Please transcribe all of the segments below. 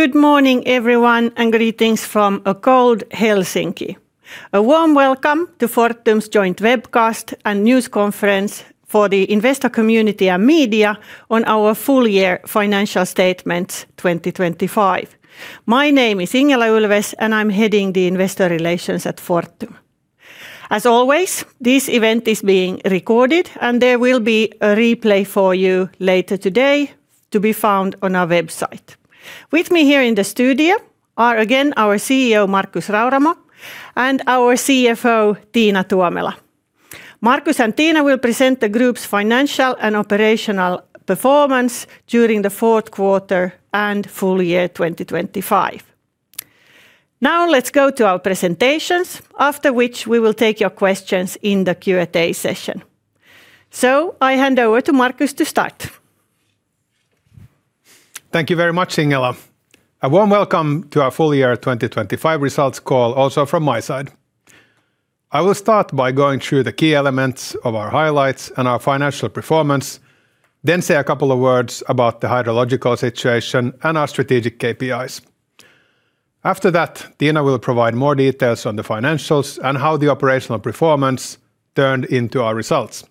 Good morning, everyone, and greetings from a cold Helsinki. A warm welcome to Fortum's joint webcast and news conference for the investor community and media on our full year financial statements 2025. My name is Ingela Ulfves, and I'm heading the Investor Relations at Fortum. As always, this event is being recorded, and there will be a replay for you later today to be found on our website. With me here in the studio are, again, our CEO, Markus Rauramo, and our CFO, Tiina Tuomela. Markus and Tiina will present the group's financial and operational performance during the fourth quarter and full year 2025. Now, let's go to our presentations. After which, we will take your questions in the Q&A session. So I hand over to Markus to start Thank you very much, Ingela. A warm Welcome to our Full Year 2025 Results Call, also from my side. I will start by going through the key elements of our highlights and our financial performance, then say a couple of words about the hydrological situation and our strategic KPIs. After that, Tiina will provide more details on the financials and how the operational performance turned into our results.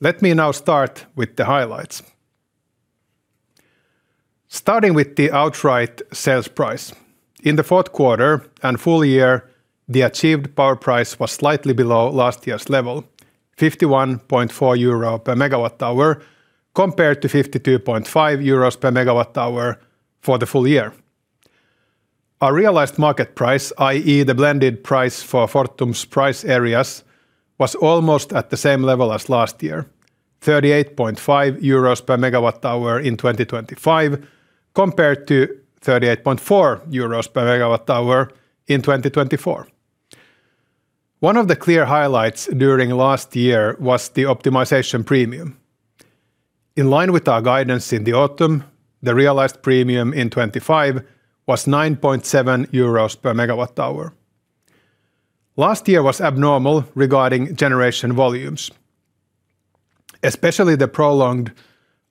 Let me now start with the highlights. Starting with the outright sales price. In the fourth quarter and full year, the achieved power price was slightly below last year's level, 51.4 euro per MWh, compared to 52.5 euros per MWh for the full year. Our realized market price, i.e. The blended price for Fortum's price areas was almost at the same level as last year, 38.5 euros per MWh in 2025, compared to 38.4 euros per MWh in 2024. One of the clear highlights during last year was the optimization premium. In line with our guidance in the autumn, the realized premium in 2025 was 9.7 euros per MWh. Last year was abnormal regarding generation volumes. Especially the prolonged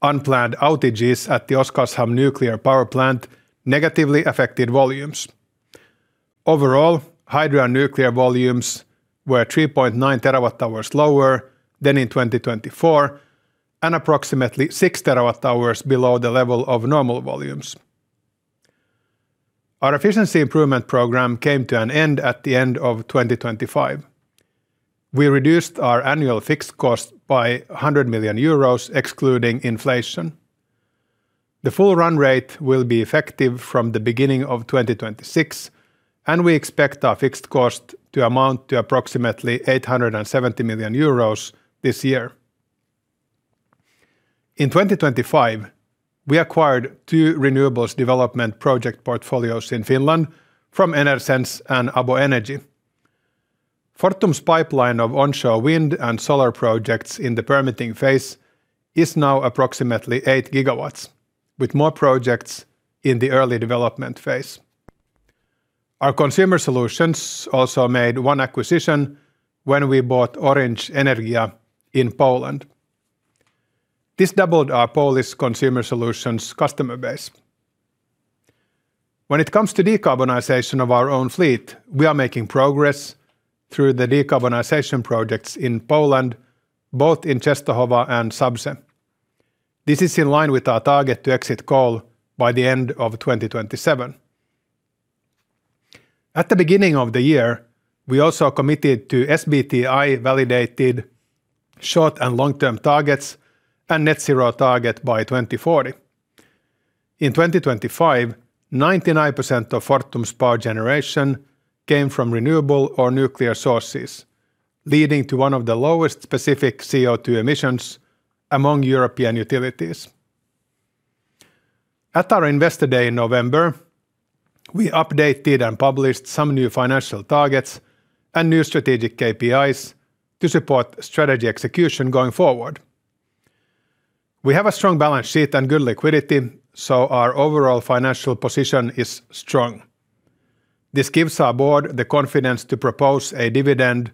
unplanned outages at the Oskarshamn Nuclear Power Plant negatively affected volumes. Overall, hydro and nuclear volumes were 3.9 TWh lower than in 2024 and approximately 6 TWh below the level of normal volumes. Our efficiency improvement program came to an end at the end of 2025. We reduced our annual fixed cost by 100 million euros, excluding inflation. The full run rate will be effective from the beginning of 2026, and we expect our fixed cost to amount to approximately 870 million euros this year. In 2025, we acquired two renewables development project portfolios in Finland from Enersense and ABO Energy. Fortum's pipeline of onshore wind and solar projects in the permitting phase is now approximately 8 GW, with more projects in the early development phase. Our consumer solutions also made one acquisition when we bought Orange Energia in Poland. This doubled our Polish consumer solutions customer base. When it comes to decarbonization of our own fleet, we are making progress through the decarbonization projects in Poland, both in Częstochowa and Zabrze. This is in line with our target to exit coal by the end of 2027. At the beginning of the year, we also committed to SBTi-validated short- and long-term targets and net zero target by 2040. In 2025, 99% of Fortum's power generation came from renewable or nuclear sources, leading to one of the lowest specific CO2 emissions among European utilities. At our Investor Day in November, we updated and published some new financial targets and new strategic KPIs to support strategy execution going forward. We have a strong balance sheet and good liquidity, so our overall financial position is strong. This gives our board the confidence to propose a dividend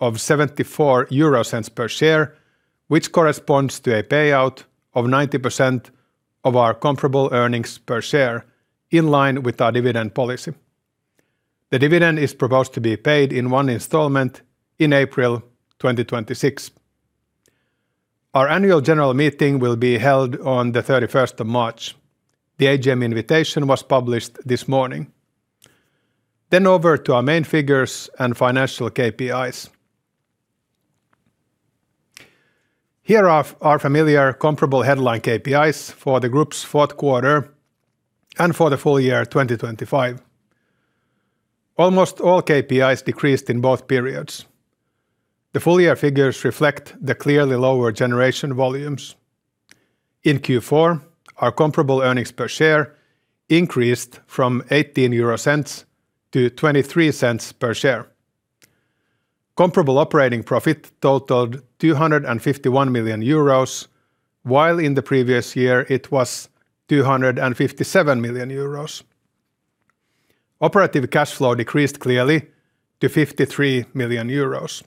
of 0.74 per share, which corresponds to a payout of 90% of our comparable earnings per share in line with our dividend policy. The dividend is proposed to be paid in one installment in April 2026. Our annual general meeting will be held on the thirty-first of March. The AGM invitation was published this morning. Then over to our main figures and financial KPIs. Here are our familiar comparable headline KPIs for the group's fourth quarter and for the full year 2025. Almost all KPIs decreased in both periods. The full-year figures reflect the clearly lower generation volumes. In Q4, our comparable earnings per share increased from 0.18 to 0.23 per share. Comparable operating profit totaled 251 million euros, while in the previous year it was 257 million euros. Operative cash flow decreased clearly to 53 million euros.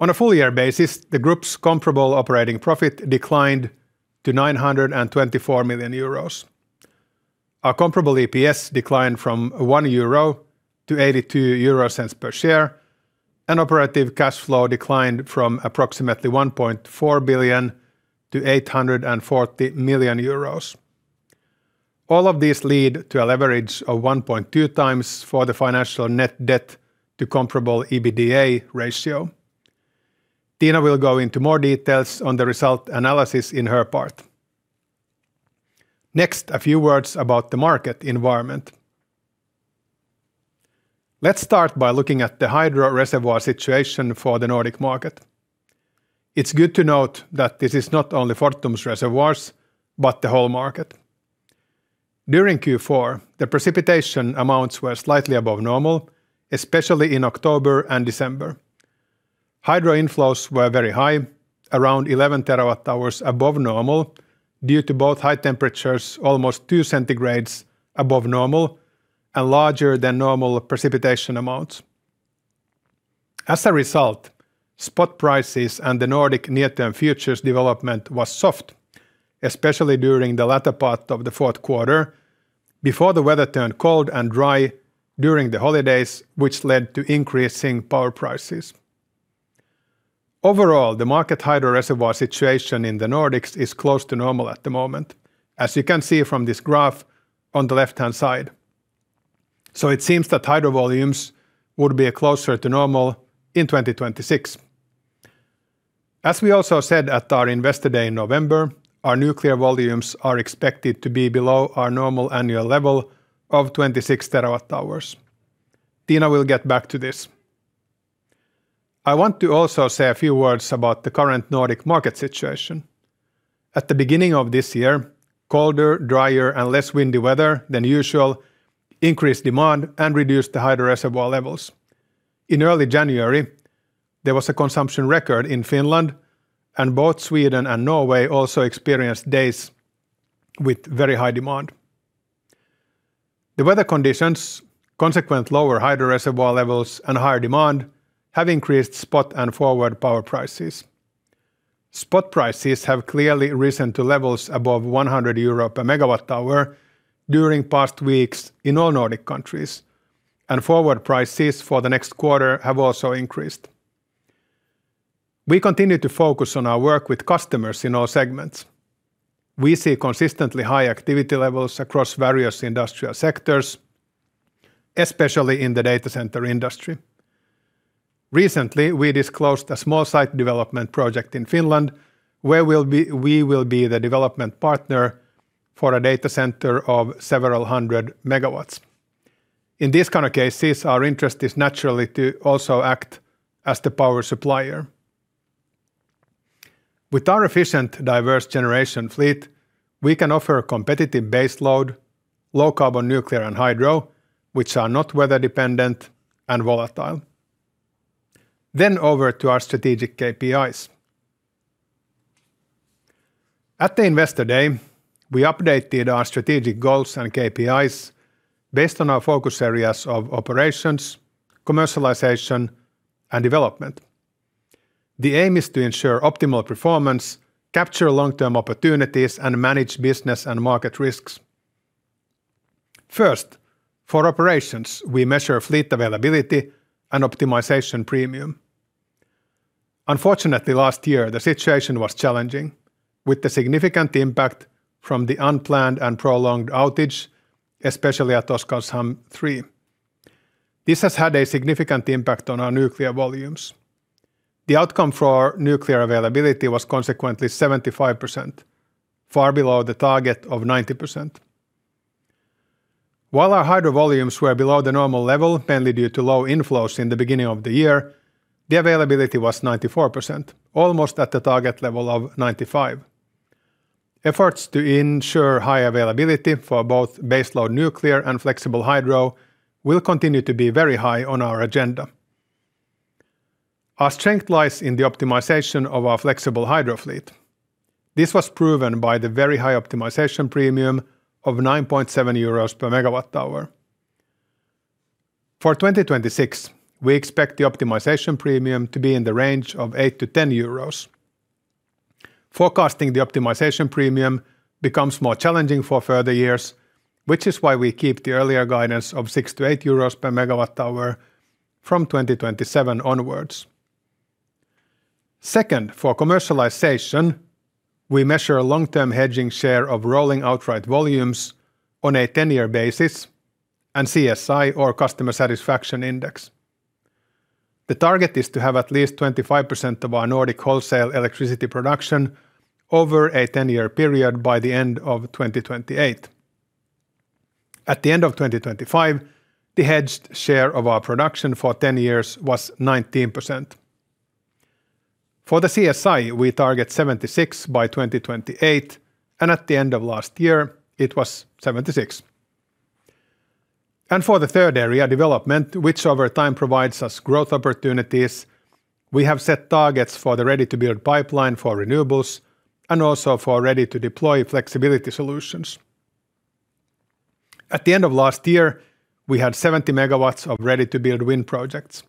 On a full year basis, the group's comparable operating profit declined to 924 million euros. Our comparable EPS declined from 1 euro to 0.82 per share, and operative cash flow declined from approximately 1.4 billion to 840 million euros. All of these lead to a leverage of 1.2x for the financial net debt to comparable EBITDA ratio. Tiina will go into more details on the result analysis in her part. Next, a few words about the market environment. Let's start by looking at the hydro reservoir situation for the Nordic market. It's good to note that this is not only Fortum's reservoirs, but the whole market. During Q4, the precipitation amounts were slightly above normal, especially in October and December. Hydro inflows were very high, around 11 TWh above normal, due to both high temperatures almost 2 degrees Celsius above normal and larger than normal precipitation amounts. As a result, spot prices and the Nordic near-term futures development was soft, especially during the latter part of the fourth quarter, before the weather turned cold and dry during the holidays, which led to increasing power prices. Overall, the market hydro reservoir situation in the Nordics is close to normal at the moment, as you can see from this graph on the left-hand side. So it seems that hydro volumes would be closer to normal in 2026. As we also said at our Investor Day in November, our nuclear volumes are expected to be below our normal annual level of 26 TWh. Tiina will get back to this. I want to also say a few words about the current Nordic market situation. At the beginning of this year, colder, drier, and less windy weather than usual increased demand and reduced the hydro reservoir levels. In early January, there was a consumption record in Finland, and both Sweden and Norway also experienced days with very high demand. The weather conditions, consequent lower hydro reservoir levels, and higher demand have increased spot and forward power prices. Spot prices have clearly risen to levels above 100 euro per MWh during past weeks in all Nordic countries, and forward prices for the next quarter have also increased. We continue to focus on our work with customers in all segments. We see consistently high activity levels across various industrial sectors, especially in the data center industry. Recently, we disclosed a small site development project in Finland, where we will be the development partner for a data center of several hundred MW. In these kind of cases, our interest is naturally to also act as the power supplier. With our efficient, diverse generation fleet, we can offer a competitive base load, low carbon nuclear and hydro, which are not weather dependent and volatile. Then over to our strategic KPIs. At the Investor Day, we updated our strategic goals and KPIs based on our focus areas of operations, commercialization, and development. The aim is to ensure optimal performance, capture long-term opportunities, and manage business and market risks. First, for operations, we measure fleet availability and optimization premium. Unfortunately, last year, the situation was challenging, with the significant impact from the unplanned and prolonged outage, especially at Oskarshamn 3. This has had a significant impact on our nuclear volumes. The outcome for nuclear availability was consequently 75%, far below the target of 90%. While our hydro volumes were below the normal level, mainly due to low inflows in the beginning of the year, the availability was 94%, almost at the target level of 95%. Efforts to ensure high availability for both base load nuclear and flexible hydro will continue to be very high on our agenda. Our strength lies in the optimization of our flexible hydro fleet. This was proven by the very high optimization premium of 9.7 euros per MWh. For 2026, we expect the optimization premium to be in the range of 8-10 euros. Forecasting the optimization premium becomes more challenging for further years, which is why we keep the earlier guidance of 6-8 euros per MWh from 2027 onwards. Second, for commercialization, we measure a long-term hedging share of rolling outright volumes on a ten-year basis and CSI, or Customer Satisfaction Index. The target is to have at least 25% of our Nordic wholesale electricity production over a ten-year period by the end of 2028. At the end of 2025, the hedged share of our production for ten years was 19%. For the CSI, we target 76 by 2028, and at the end of last year, it was 76. And for the third area, development, which over time provides us growth opportunities... We have set targets for the ready-to-build pipeline for renewables, and also for ready-to-deploy flexibility solutions. At the end of last year, we had 70 MW of ready-to-build wind projects.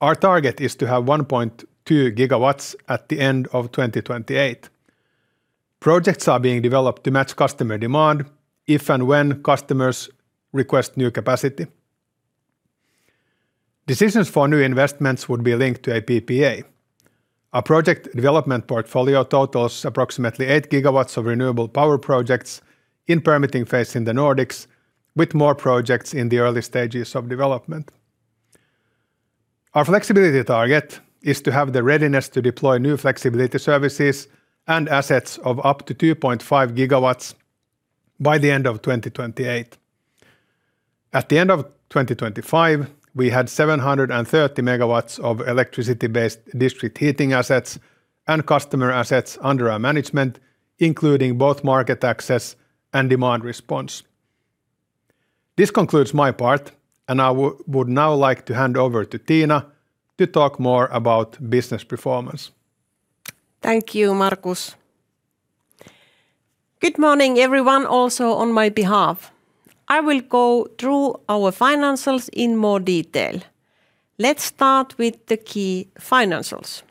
Our target is to have 1.2 GW at the end of 2028. Projects are being developed to match customer demand, if and when customers request new capacity. Decisions for new investments would be linked to a PPA. Our project development portfolio totals approximately 8 GW of renewable power projects in permitting phase in the Nordics, with more projects in the early stages of development. Our flexibility target is to have the readiness to deploy new flexibility services and assets of up to 2.5 GW by the end of 2028. At the end of 2025, we had 730 MW of electricity-based district heating assets and customer assets under our management, including both market access and demand response. This concludes my part, and I would now like to hand over to Tiina to talk more about business performance. Thank you, Markus. Good morning, everyone, also on my behalf. I will go through our financials in more detail. Let's start with the key financials.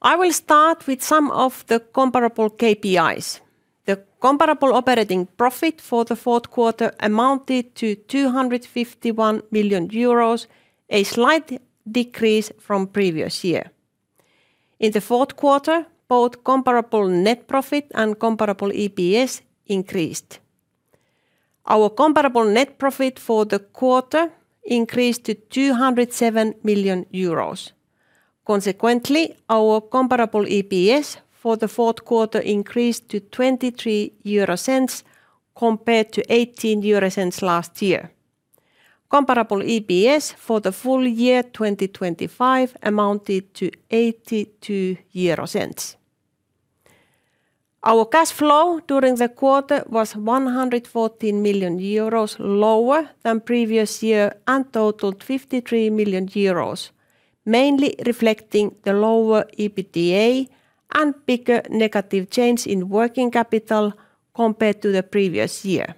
I will start with some of the comparable KPIs. The comparable operating profit for the fourth quarter amounted to 251 million euros, a slight decrease from previous year. In the fourth quarter, both comparable net profit and comparable EPS increased. Our comparable net profit for the quarter increased to 207 million euros. Consequently, our comparable EPS for the fourth quarter increased to 0.23, compared to 0.18 last year. Comparable EPS for the full year 2025 amounted to 0.82. Our cash flow during the quarter was 114 million euros, lower than previous year, and totaled 53 million euros, mainly reflecting the lower EBITDA and bigger negative change in working capital compared to the previous year.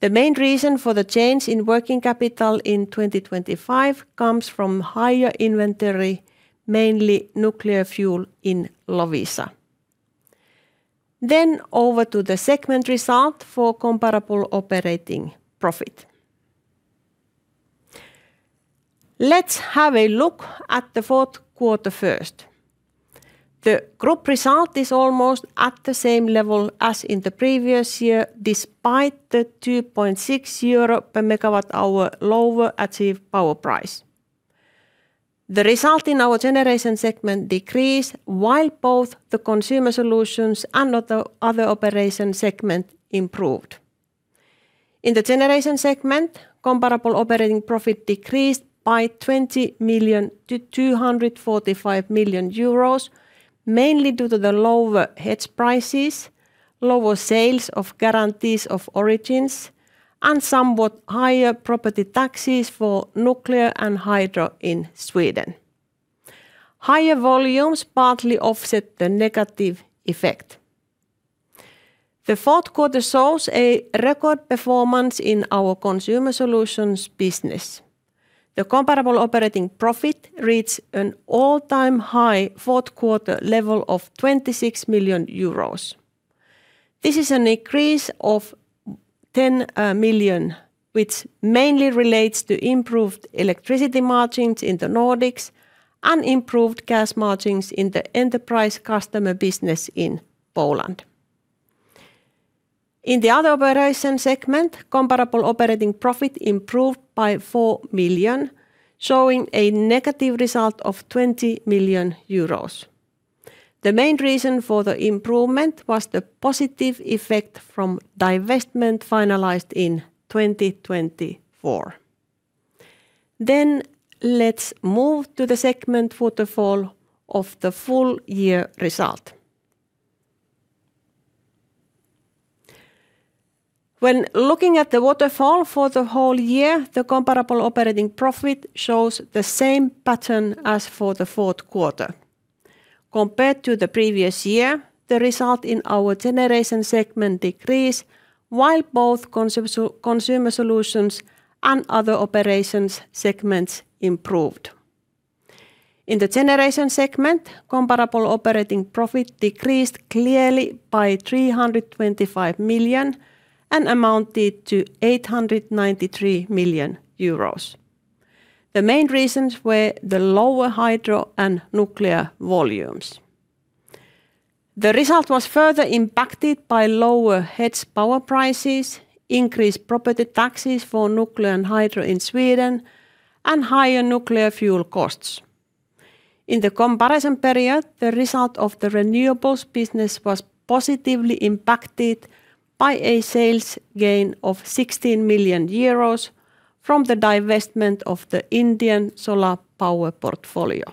The main reason for the change in working capital in 2025 comes from higher inventory, mainly nuclear fuel in Loviisa. Then, over to the segment result for comparable operating profit. Let's have a look at the fourth quarter first. The group result is almost at the same level as in the previous year, despite the 2.6 euro per MWh lower achieved power price. The result in our generation segment decreased, while both the consumer solutions and other operation segment improved. In the generation segment, comparable operating profit decreased by 20 million to 245 million euros, mainly due to the lower hedge prices, lower sales of Guarantees of Origin, and somewhat higher property taxes for nuclear and hydro in Sweden. Higher volumes partly offset the negative effect. The fourth quarter shows a record performance in our consumer solutions business. The comparable operating profit reached an all-time high fourth quarter level of 26 million euros. This is an increase of 10 million, which mainly relates to improved electricity margins in the Nordics and improved gas margins in the enterprise customer business in Poland. In the other operation segment, comparable operating profit improved by 4 million, showing a negative result of 20 million euros. The main reason for the improvement was the positive effect from divestment finalized in 2024. Then, let's move to the segment waterfall of the full year result. When looking at the waterfall for the whole year, the comparable operating profit shows the same pattern as for the fourth quarter. Compared to the previous year, the result in our generation segment decreased, while both consumer solutions and other operations segments improved. In the generation segment, comparable operating profit decreased clearly by 325 million and amounted to 893 million euros. The main reasons were the lower hydro and nuclear volumes. The result was further impacted by lower hedge power prices, increased property taxes for nuclear and hydro in Sweden, and higher nuclear fuel costs. In the comparison period, the result of the renewables business was positively impacted by a sales gain of 16 million euros from the divestment of the Indian solar power portfolio....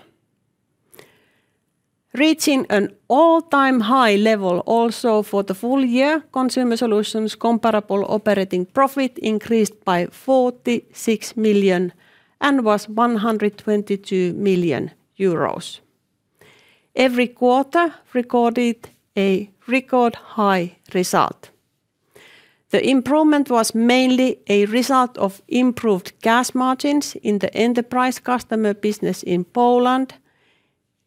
reaching an all-time high level also for the full year. Consumer Solutions comparable operating profit increased by 46 million and was 122 million euros. Every quarter recorded a record-high result. The improvement was mainly a result of improved gas margins in the enterprise customer business in Poland,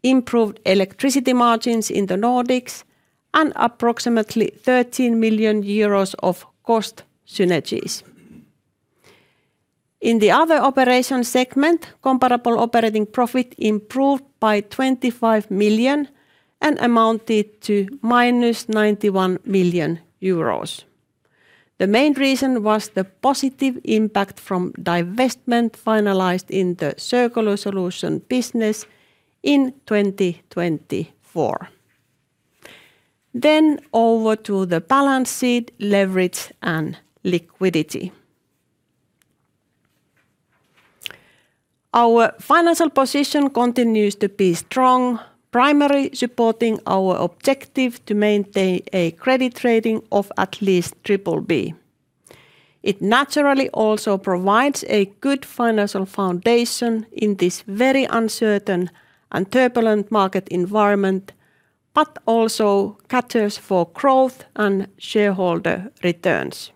improved electricity margins in the Nordics, and approximately 13 million euros of cost synergies. In the other operation segment, comparable operating profit improved by 25 million and amounted to -91 million euros. The main reason was the positive impact from divestment finalized in the circular solution business in 2024. Then over to the balance sheet, leverage, and liquidity. Our financial position continues to be strong, primarily supporting our objective to maintain a credit rating of at least triple B. It naturally also provides a good financial foundation in this very uncertain and turbulent market environment, but also caters for growth and shareholder returns.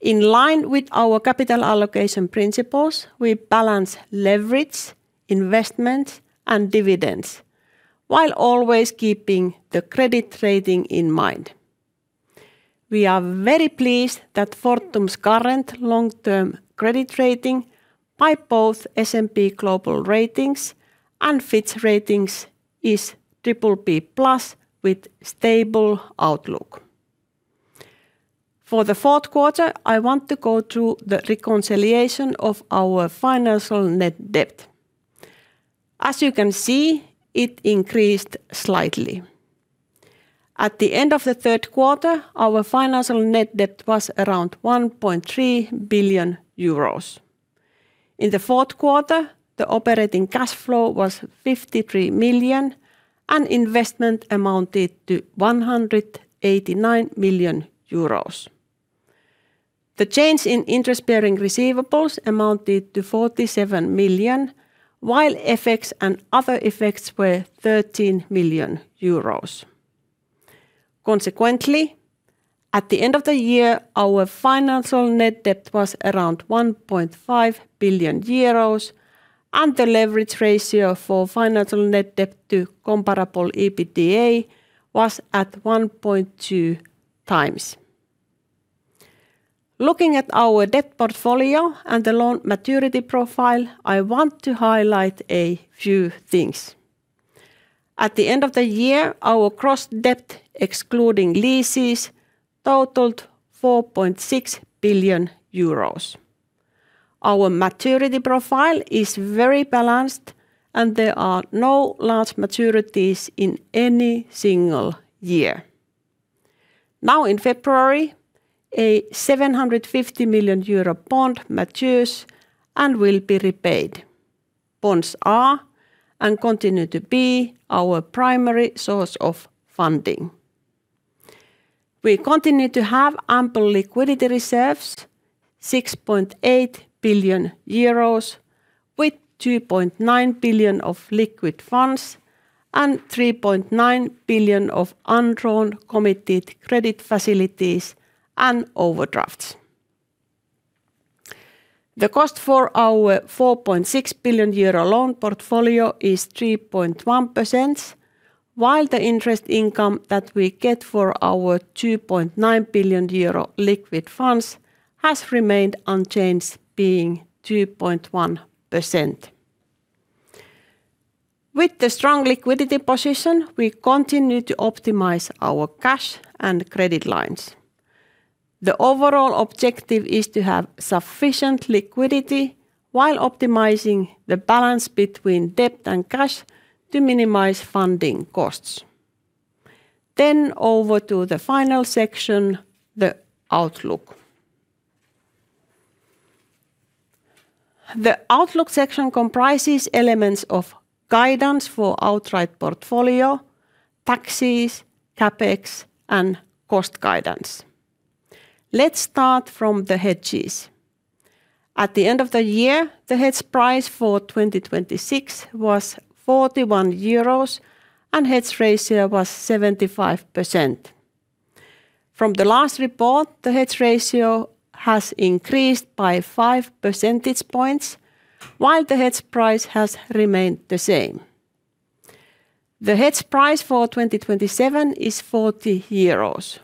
In line with our capital allocation principles, we balance leverage, investments, and dividends, while always keeping the credit rating in mind. We are very pleased that Fortum's current long-term credit rating by both S&P Global Ratings and Fitch Ratings is BBB+ with stable outlook. For the fourth quarter, I want to go through the reconciliation of our financial net debt. As you can see, it increased slightly. At the end of the third quarter, our financial net debt was around 1.3 billion euros. In the fourth quarter, the operating cash flow was 53 million, and investment amounted to 189 million euros. The change in interest-bearing receivables amounted to 47 million, while FX and other effects were 13 million euros. Consequently, at the end of the year, our financial net debt was around 1.5 billion euros, and the leverage ratio for financial net debt to comparable EBITDA was at 1.2 times. Looking at our debt portfolio and the loan maturity profile, I want to highlight a few things. At the end of the year, our gross debt, excluding leases, totaled 4.6 billion euros. Our maturity profile is very balanced, and there are no large maturities in any single year. Now, in February, a 750 million euro bond matures and will be repaid. Bonds are, and continue to be, our primary source of funding. We continue to have ample liquidity reserves, 6.8 billion euros, with 2.9 billion of liquid funds and 3.9 billion of undrawn committed credit facilities and overdrafts. The cost for our 4.6 billion euro loan portfolio is 3.1%, while the interest income that we get for our 2.9 billion euro liquid funds has remained unchanged, being 2.1%. With the strong liquidity position, we continue to optimize our cash and credit lines. The overall objective is to have sufficient liquidity while optimizing the balance between debt and cash to minimize funding costs. Then over to the final section, the outlook. The outlook section comprises elements of guidance for outright portfolio, taxes, CapEx, and cost guidance. Let's start from the hedges. At the end of the year, the hedge price for 2026 was 41 euros, and hedge ratio was 75%. From the last report, the hedge ratio has increased by five percentage points, while the hedge price has remained the same. The hedge price for 2027 is 40 euros,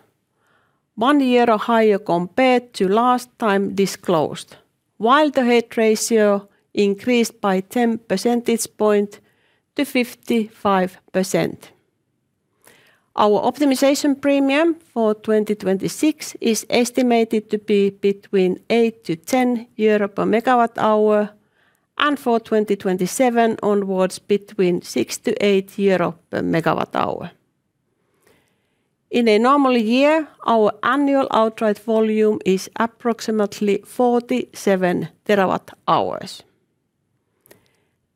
1 euro higher compared to last time disclosed, while the hedge ratio increased by 10 percentage point to 55%. Our optimization premium for 2026 is estimated to be between 8-10 euro per MWh, and for 2027 onwards, between 6-8 euro per MWh. In a normal year, our annual outright volume is approximately 47 TWh.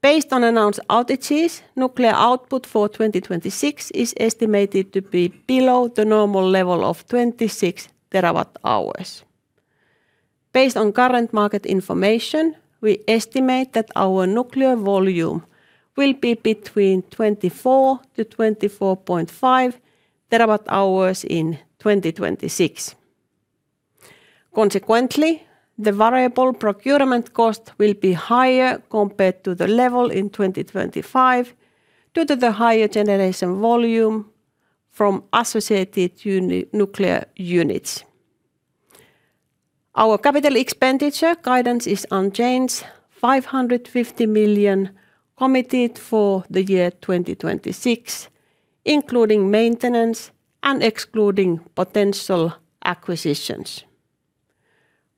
Based on announced outages, nuclear output for 2026 is estimated to be below the normal level of 26 TWh. Based on current market information, we estimate that our nuclear volume will be between 24-24.5 TWh in 2026. Consequently, the variable procurement cost will be higher compared to the level in 2025, due to the higher generation volume from associated Uniper nuclear units. Our capital expenditure guidance is unchanged, 550 million committed for the year 2026, including maintenance and excluding potential acquisitions.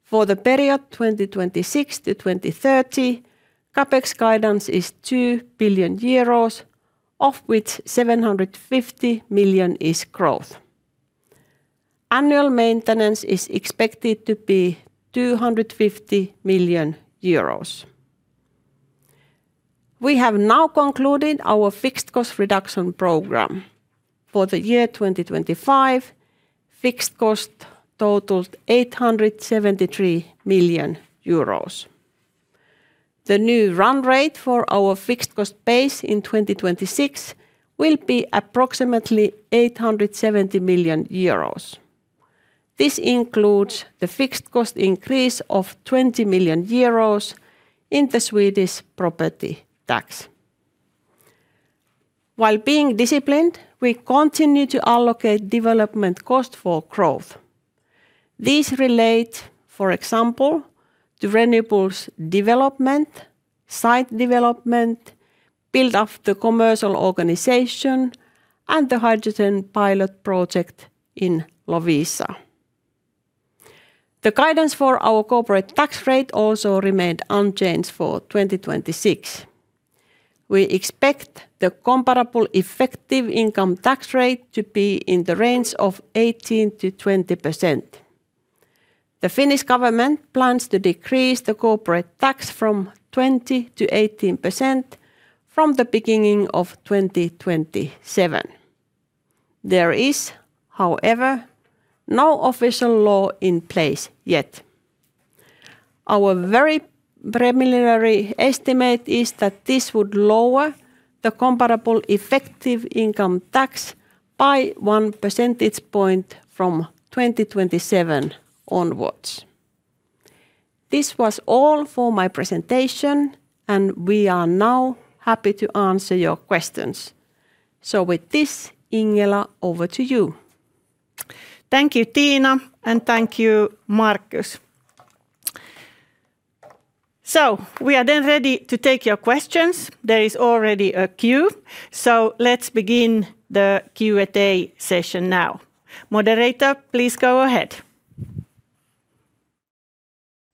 For the period 2026 to 2030, CapEx guidance is 2 billion euros, of which 750 million is growth. Annual maintenance is expected to be 250 million euros. We have now concluded our fixed cost reduction program. For the year 2025, fixed cost totaled 873 million euros. The new run rate for our fixed cost base in 2026 will be approximately 870 million euros. This includes the fixed cost increase of 20 million euros in the Swedish property tax. While being disciplined, we continue to allocate development cost for growth. These relate, for example, to renewables development, site development, build up the commercial organization, and the hydrogen pilot project in Loviisa. The guidance for our corporate tax rate also remained unchanged for 2026. We expect the comparable effective income tax rate to be in the range of 18%-20%. The Finnish government plans to decrease the corporate tax from 20% to 18% from the beginning of 2027. There is, however, no official law in place yet. Our very preliminary estimate is that this would lower the comparable effective income tax by 1 percentage point from 2027 onwards. This was all for my presentation, and we are now happy to answer your questions. So with this, Ingela, over to you. Thank you, Tiina, and thank you, Markus. So we are then ready to take your questions. There is already a queue, so let's begin the Q&A session now. Moderator, please go ahead.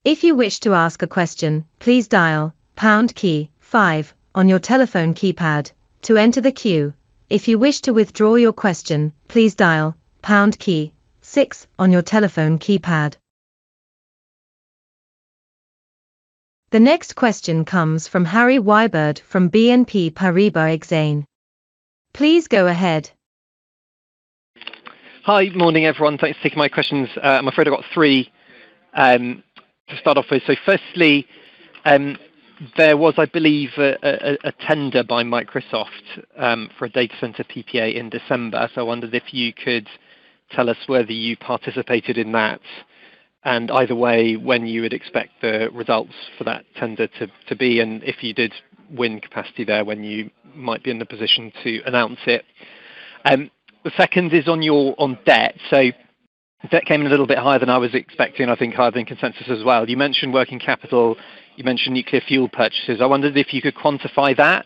If you wish to ask a question, please dial pound key five on your telephone keypad to enter the queue. If you wish to withdraw your question, please dial pound key six on your telephone keypad. The next question comes from Harry Wyburd from BNP Paribas Exane. Please go ahead. Hi. Morning, everyone. Thanks for taking my questions. I'm afraid I've got three to start off with. So firstly, there was, I believe, a tender by Microsoft for a data center PPA in December. So I wondered if you could tell us whether you participated in that, and either way, when you would expect the results for that tender to be, and if you did win capacity there, when you might be in the position to announce it? The second is on your... on debt. So debt came in a little bit higher than I was expecting, I think higher than consensus as well. You mentioned working capital, you mentioned nuclear fuel purchases. I wondered if you could quantify that.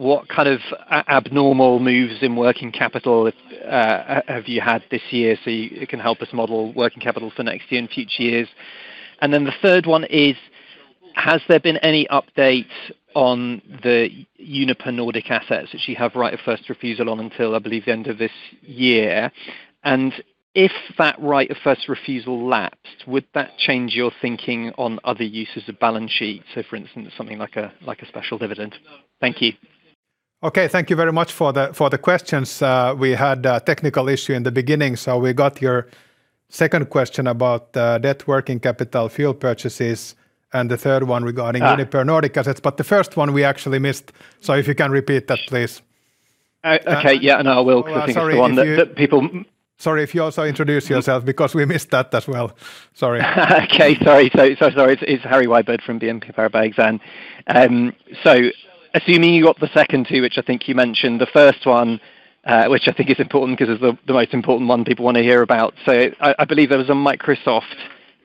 What kind of abnormal moves in working capital have you had this year, so it can help us model working capital for next year and future years? And then the third one is, has there been any update on the Uniper Nordic assets that you have right of first refusal on until, I believe, the end of this year? And if that right of first refusal lapsed, would that change your thinking on other uses of balance sheet, so for instance, something like a, like a special dividend? Thank you. Okay, thank you very much for the questions. We had a technical issue in the beginning, so we got your second question about debt working capital, fuel purchases, and the third one regarding Uniper Nordic assets, but the first one we actually missed. So if you can repeat that, please. Okay. Yeah, no, I will Sorry, if you Quickly, the one that people- Sorry, if you also introduce yourself, because we missed that as well. Sorry. Okay, sorry. So, sorry. It's Harry Wyburd from BNP Paribas Exane. So assuming you got the second two, which I think you mentioned, the first one, which I think is important, because it's the most important one people wanna hear about. So I believe there was a Microsoft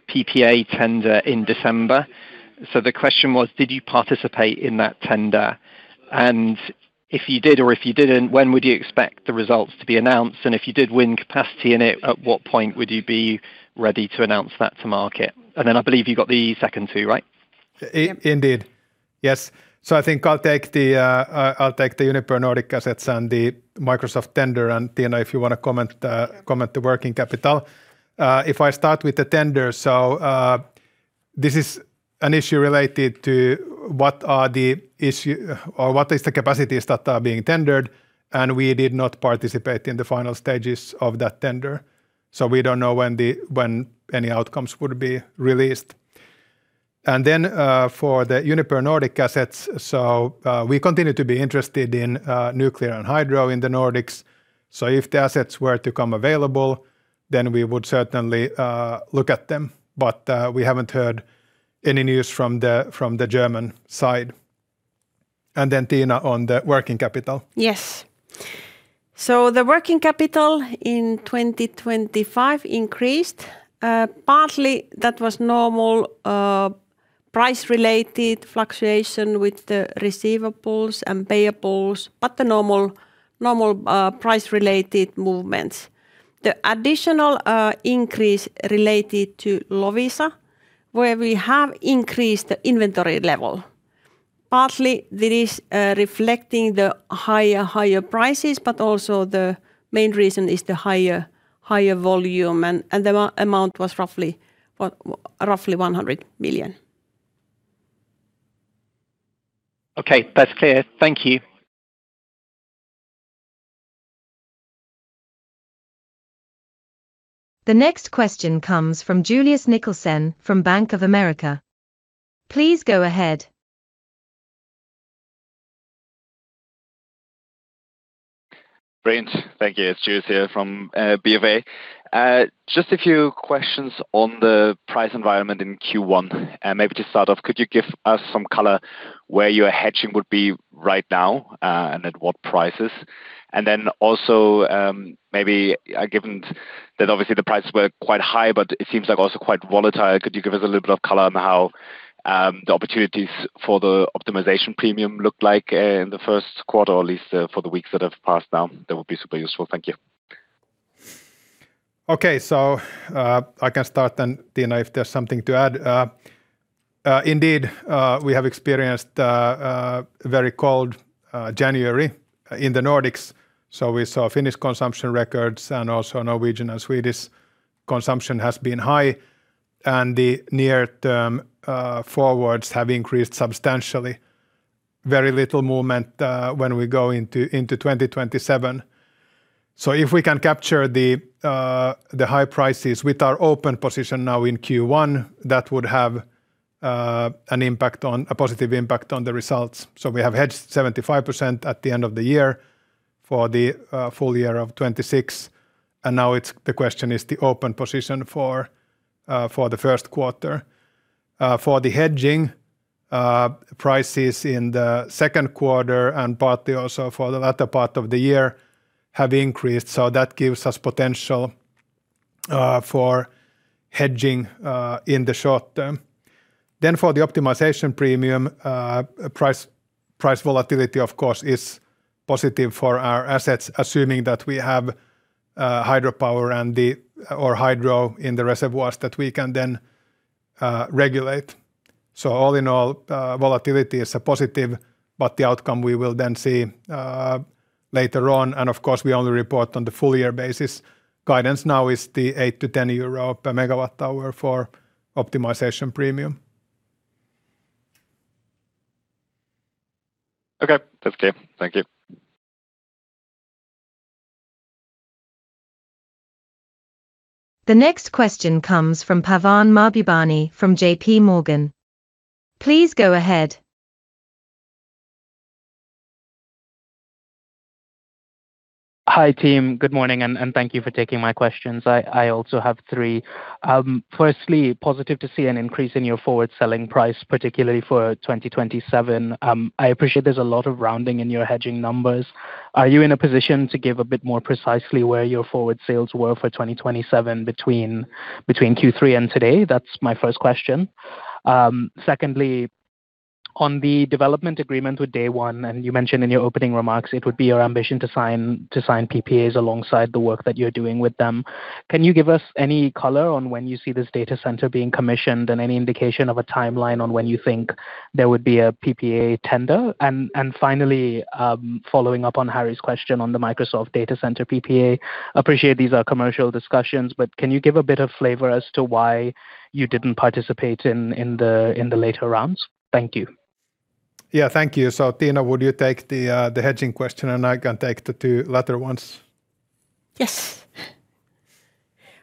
PPA tender in December. So the question was, did you participate in that tender? And if you did, or if you didn't, when would you expect the results to be announced? And if you did win capacity in it, at what point would you be ready to announce that to market? And then I believe you got the second two, right? Indeed. Yes. So I think I'll take the Uniper Nordic assets and the Microsoft tender, and, Tiina, if you wanna comment, comment the working capital. If I start with the tender, this is an issue related to what are the issue, or what is the capacities that are being tendered, and we did not participate in the final stages of that tender, so we don't know when any outcomes would be released. And then, for the Uniper Nordic assets, we continue to be interested in nuclear and hydro in the Nordics. So if the assets were to come available, then we would certainly look at them, but we haven't heard any news from the German side. And then, Tiina, on the working capital. Yes. So the working capital in 2025 increased. Partly that was normal, price-related fluctuation with the receivables and payables, but the normal, normal, price-related movements. The additional increase related to Loviisa, where we have increased the inventory level. Partly this is reflecting the higher, higher prices, but also the main reason is the higher, higher volume and, and the amount was roughly, roughly EUR 100 million. Okay, that's clear. Thank you. The next question comes from Julius Nicholson from Bank of America. Please go ahead. Great. Thank you. It's Julius here from BofA. Just a few questions on the price environment in Q1, and maybe to start off, could you give us some color where your hedging would be right now, and at what prices? And then also, maybe given that obviously the prices were quite high, but it seems like also quite volatile, could you give us a little bit of color on how the opportunities for the optimization premium look like in the first quarter, or at least for the weeks that have passed now? That would be super useful. Thank you. Okay. So, I can start then, Tiina, if there's something to add. Indeed, we have experienced very cold January in the Nordics, so we saw Finnish consumption records and also Norwegian and Swedish consumption has been high, and the near-term forwards have increased substantially. Very little movement, when we go into 2027. So if we can capture the high prices with our open position now in Q1, that would have an impact on… a positive impact on the results. So we have hedged 75% at the end of the year for the full year of 2026, and now it's the question is the open position for the first quarter. For the hedging, prices in the second quarter and partly also for the latter part of the year have increased, so that gives us potential for hedging in the short term. Then for the optimization premium, price volatility, of course, is positive for our assets, assuming that we have hydropower or hydro in the reservoirs that we can then regulate. So all in all, volatility is a positive, but the outcome we will then see later on, and of course, we only report on the full year basis. Guidance now is the 8-10 euro per MWh for optimization premium. Okay, that's clear. Thank you. The next question comes from Pavan Mahbubani from JP Morgan. Please go ahead. Hi, team. Good morning, and thank you for taking my questions. I also have three. Firstly, positive to see an increase in your forward selling price, particularly for 2027. I appreciate there's a lot of rounding in your hedging numbers. Are you in a position to give a bit more precisely where your forward sales were for 2027 between Q3 and today? That's my first question. Secondly, on the development agreement with Day one, and you mentioned in your opening remarks it would be your ambition to sign PPAs alongside the work that you're doing with them. Can you give us any color on when you see this data center being commissioned and any indication of a timeline on when you think there would be a PPA tender? And finally, following up on Harry's question on the Microsoft data center PPA, appreciate these are commercial discussions, but can you give a bit of flavor as to why you didn't participate in the later rounds? Thank you. Yeah, thank you. So Tiina, would you take the hedging question, and I can take the two latter ones? Yes.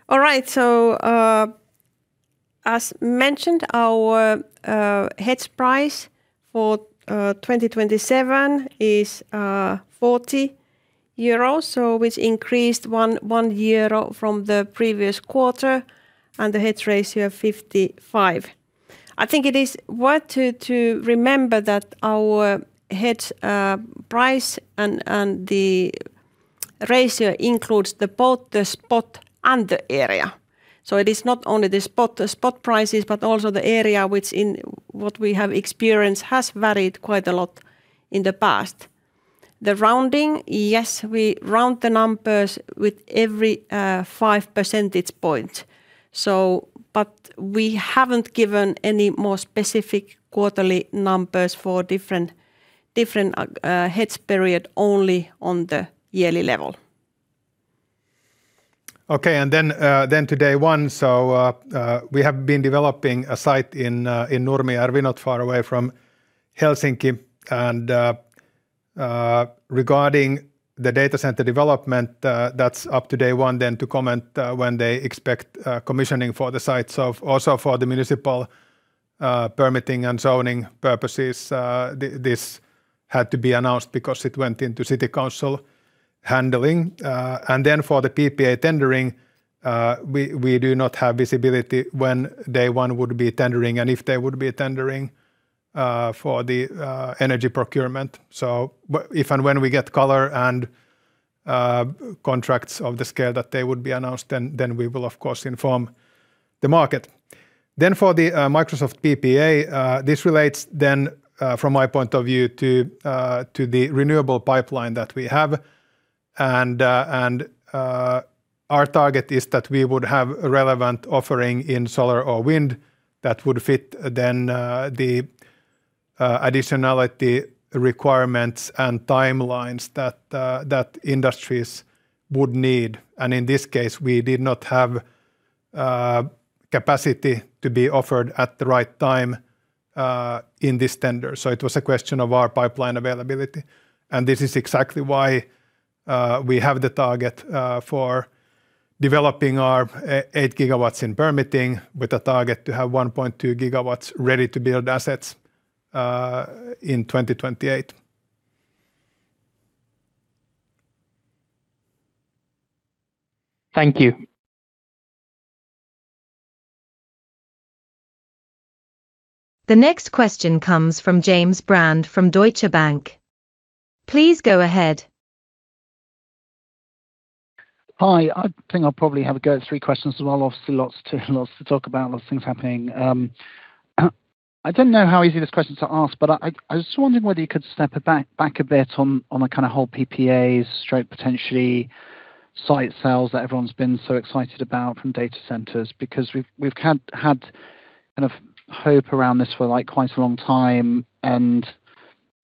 All right, so, as mentioned, our hedge price for 2027 is 40 euros, so which increased 1 euro from the previous quarter, and the hedge ratio 55%. I think it is worth to remember that our hedge price and the ratio includes both the spot and the area. So it is not only the spot prices, but also the area which in what we have experienced has varied quite a lot in the past. The rounding, yes, we round the numbers with every 5 percentage points. So but we haven't given any more specific quarterly numbers for different hedge period, only on the yearly level. Okay, and then to Day One. So, we have been developing a site in Nurmi, are we not far away from Helsinki? And, regarding the data center development, that's up to Day One, then to comment, when they expect, commissioning for the site. So also for the municipal, permitting and zoning purposes, this had to be announced because it went into city council handling. And then for the PPA tendering, we do not have visibility when Day One would be tendering and if they would be tendering for the energy procurement. So if and when we get color and contracts of the scale that they would be announced, then we will, of course, inform the market. Then for the Microsoft PPA, this relates then from my point of view to the renewable pipeline that we have. And our target is that we would have a relevant offering in solar or wind that would fit then the additionality requirements and timelines that industries would need. And in this case, we did not have capacity to be offered at the right time in this tender. So it was a question of our pipeline availability, and this is exactly why we have the target for developing our 8 GW in permitting, with a target to have 1.2 GW ready to build assets in 2028. Thank you. The next question comes from James Brand, from Deutsche Bank. Please go ahead. Hi, I think I'll probably have a go at three questions as well. Obviously, lots to talk about, lots of things happening. I don't know how easy this question is to ask, but I was just wondering whether you could step it back a bit on a kind of whole PPAs stroke potentially site sales that everyone's been so excited about from data centers. Because we've had kind of hope around this for, like, quite a long time, and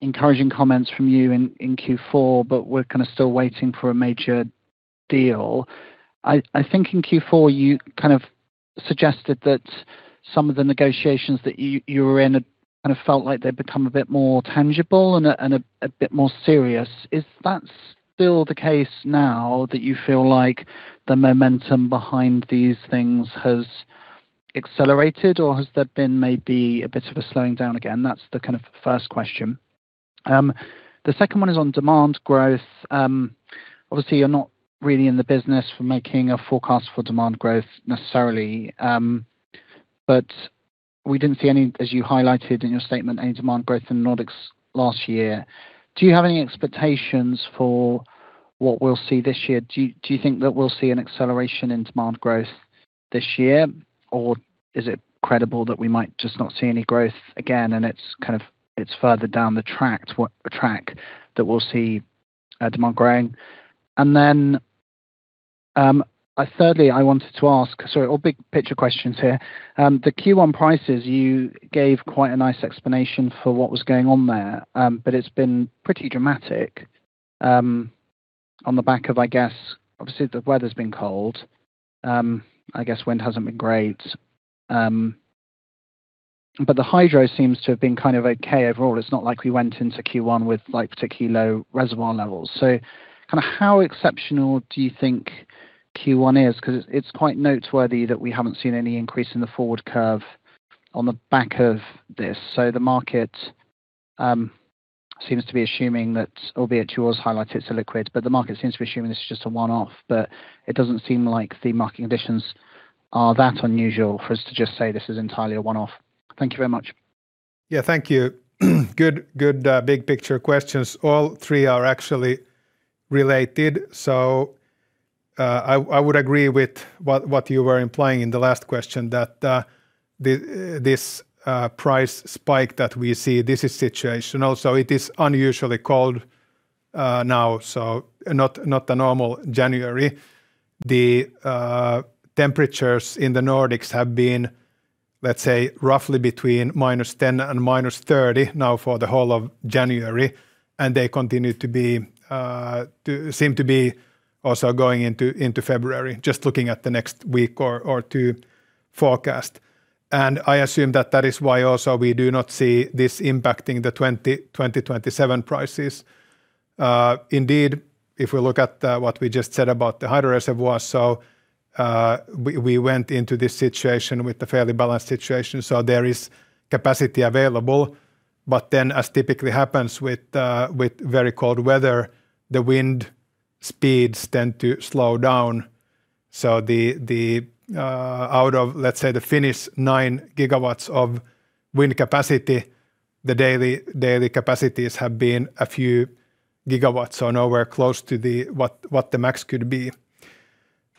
encouraging comments from you in Q4, but we're kind of still waiting for a major deal. I think in Q4, you kind of suggested that some of the negotiations that you were in kind of felt like they'd become a bit more tangible and a bit more serious. Is that still the case now, that you feel like the momentum behind these things has accelerated, or has there been maybe a bit of a slowing down again? That's the kind of first question. The second one is on demand growth. Obviously, you're not really in the business for making a forecast for demand growth necessarily, but we didn't see any, as you highlighted in your statement, any demand growth in Nordics last year. Do you have any expectations for what we'll see this year? Do you think that we'll see an acceleration in demand growth this year, or is it credible that we might just not see any growth again, and it's kind of- it's further down the track, what track that we'll see, demand growing? And then, I thirdly, I wanted to ask... Sorry, all big picture questions here. The Q1 prices, you gave quite a nice explanation for what was going on there. But it's been pretty dramatic on the back of... Obviously, the weather's been cold. I guess wind hasn't been great. But the hydro seems to have been kind of okay overall. It's not like we went into Q1 with like particularly low reservoir levels. So kind of how exceptional do you think Q1 is? 'Cause it's, it's quite noteworthy that we haven't seen any increase in the forward curve on the back of this. So the market seems to be assuming that, albeit you always highlight it's illiquid, but the market seems to be assuming this is just a one-off. But it doesn't seem like the market conditions are that unusual for us to just say this is entirely a one-off. Thank you very much. Yeah, thank you. Good, good, big picture questions. All three are actually related. So, I, I would agree with what, what you were implying in the last question, that, the, this, price spike that we see, this is situational. So it is unusually cold, now, so not, not the normal January. The, temperatures in the Nordics have been, let's say, roughly between -10 and -30 now for the whole of January, and they continue to be, to seem to be also going into, into February, just looking at the next week or two forecast. And I assume that that is why also we do not see this impacting the 2027 prices. Indeed, if we look at what we just said about the hydro reservoirs, so we went into this situation with a fairly balanced situation, so there is capacity available. But then, as typically happens with very cold weather, the wind speeds tend to slow down. So out of, let's say, the Finnish 9 gigawatts of wind capacity, the daily capacities have been a few gigawatts, so nowhere close to what the max could be.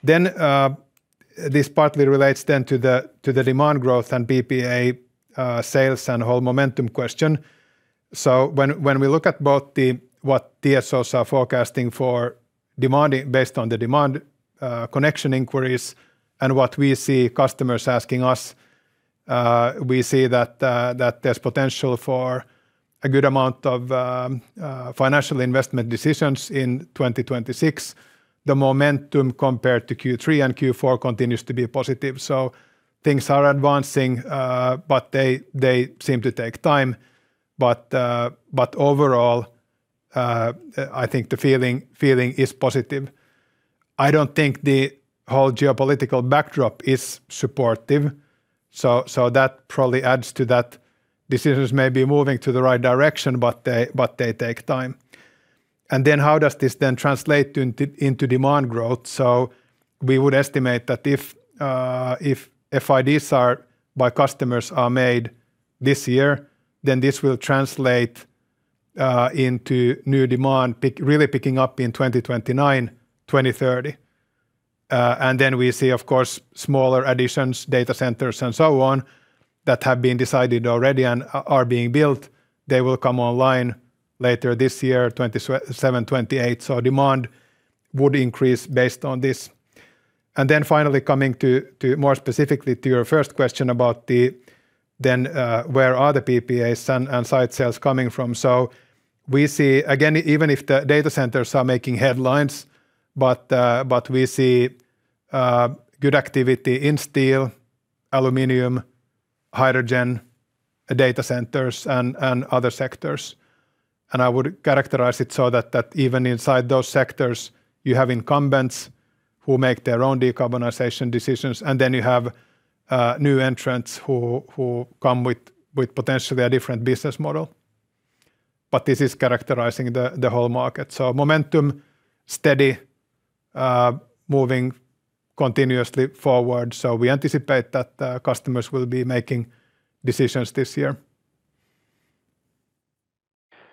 Then this partly relates then to the demand growth and PPA sales and overall momentum question. So when we look at both the what TSOs are forecasting for demand based on the demand connection inquiries and what we see customers asking us, we see that that there's potential for a good amount of financial investment decisions in 2026. The momentum compared to Q3 and Q4 continues to be positive, so things are advancing, but they seem to take time. But overall, I think the feeling is positive. I don't think the whole geopolitical backdrop is supportive, so that probably adds to that. Decisions may be moving to the right direction, but they take time. And then how does this then translate into demand growth? So we would estimate that if FIDs by customers are made this year, then this will translate into new demand really picking up in 2029, 2030. And then we see, of course, smaller additions, data centers, and so on, that have been decided already and are being built. They will come online later this year, 2027, 2028. So demand would increase based on this. And then finally, coming to more specifically to your first question about the... Then, where are the PPAs and site sales coming from? So we see, again, even if the data centers are making headlines, but we see good activity in steel, aluminum, hydrogen, data centers, and other sectors. I would characterize it so that even inside those sectors, you have incumbents who make their own decarbonization decisions, and then you have new entrants who come with potentially a different business model. But this is characterizing the whole market. So momentum steady, moving continuously forward, so we anticipate that customers will be making decisions this year.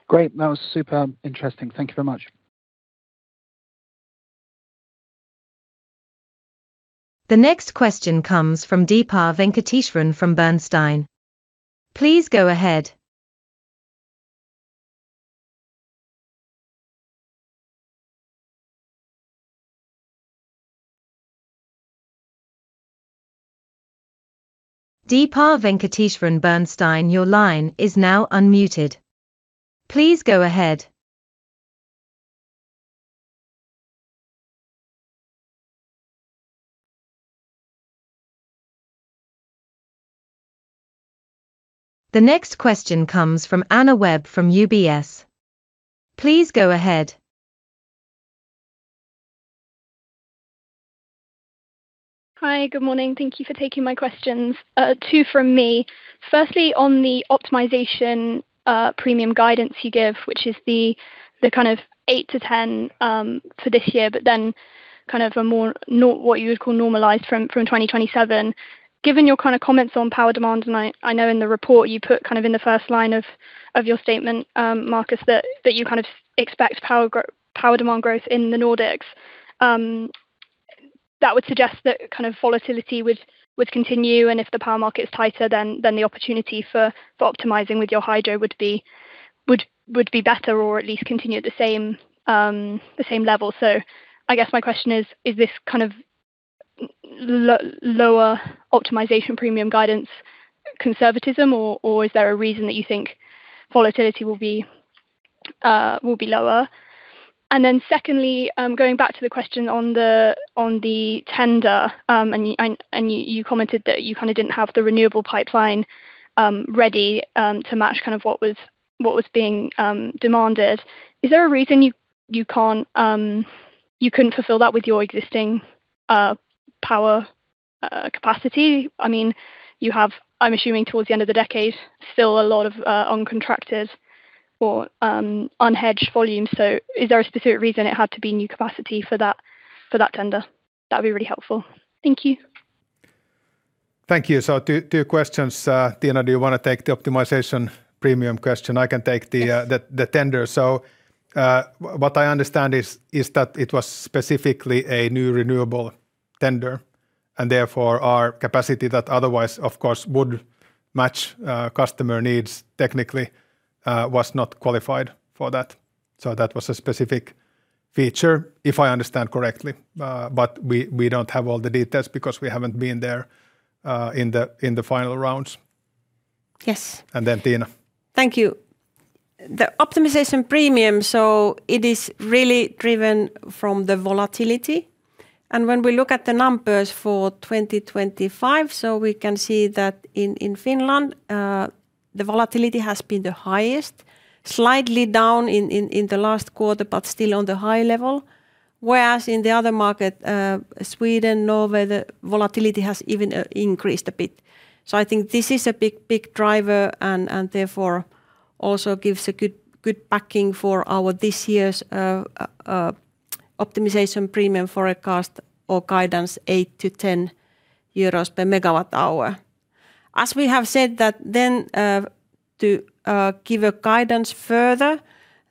Great. That was super interesting. Thank you very much. The next question comes from Deepa Venkateswaran from Bernstein. Please go ahead. Deepa Venkateswaran, Bernstein, your line is now unmuted. Please go ahead. The next question comes from Anna Webb from UBS. Please go ahead. Hi, good morning. Thank you for taking my questions. 2 from me. Firstly, on the optimization premium guidance you give, which is the kind of 8-10 for this year, but then kind of a more normalized from 2027. Given your kind of comments on power demand, and I know in the report you put kind of in the first line of your statement, Markus, that you kind of expect power demand growth in the Nordics. That would suggest that kind of volatility would continue, and if the power market is tighter, then the opportunity for optimizing with your hydro would be... would be better or at least continue at the same level. So I guess my question is, is this kind of lower optimization premium guidance conservatism, or is there a reason that you think volatility will be, will be lower? And then secondly, going back to the question on the tender, and you commented that you kind of didn't have the renewable pipeline ready to match kind of what was being demanded. Is there a reason you couldn't fulfill that with your existing power capacity? I mean, you have, I'm assuming towards the end of the decade, still a lot of uncontracted or unhedged volume. So is there a specific reason it had to be new capacity for that tender? That'd be really helpful. Thank you. Thank you. So two, two questions. Tiina, do you want to take the optimization premium question? I can take the Yes The tender. So, what I understand is that it was specifically a new renewable tender, and therefore, our capacity that otherwise, of course, would match customer needs technically was not qualified for that. So that was a specific feature, if I understand correctly. But we don't have all the details because we haven't been there in the final rounds. Yes. And then Tiina. Thank you. The optimization premium, so it is really driven from the volatility. When we look at the numbers for 2025, so we can see that in Finland, the volatility has been the highest. Slightly down in the last quarter, but still on the high level. Whereas in the other market, Sweden, Norway, the volatility has even increased a bit. So I think this is a big, big driver, and therefore, also gives a good, good backing for our this year's optimization premium forecast or guidance, 8-10 euros per megawatt hour. As we have said that then, to give a guidance further,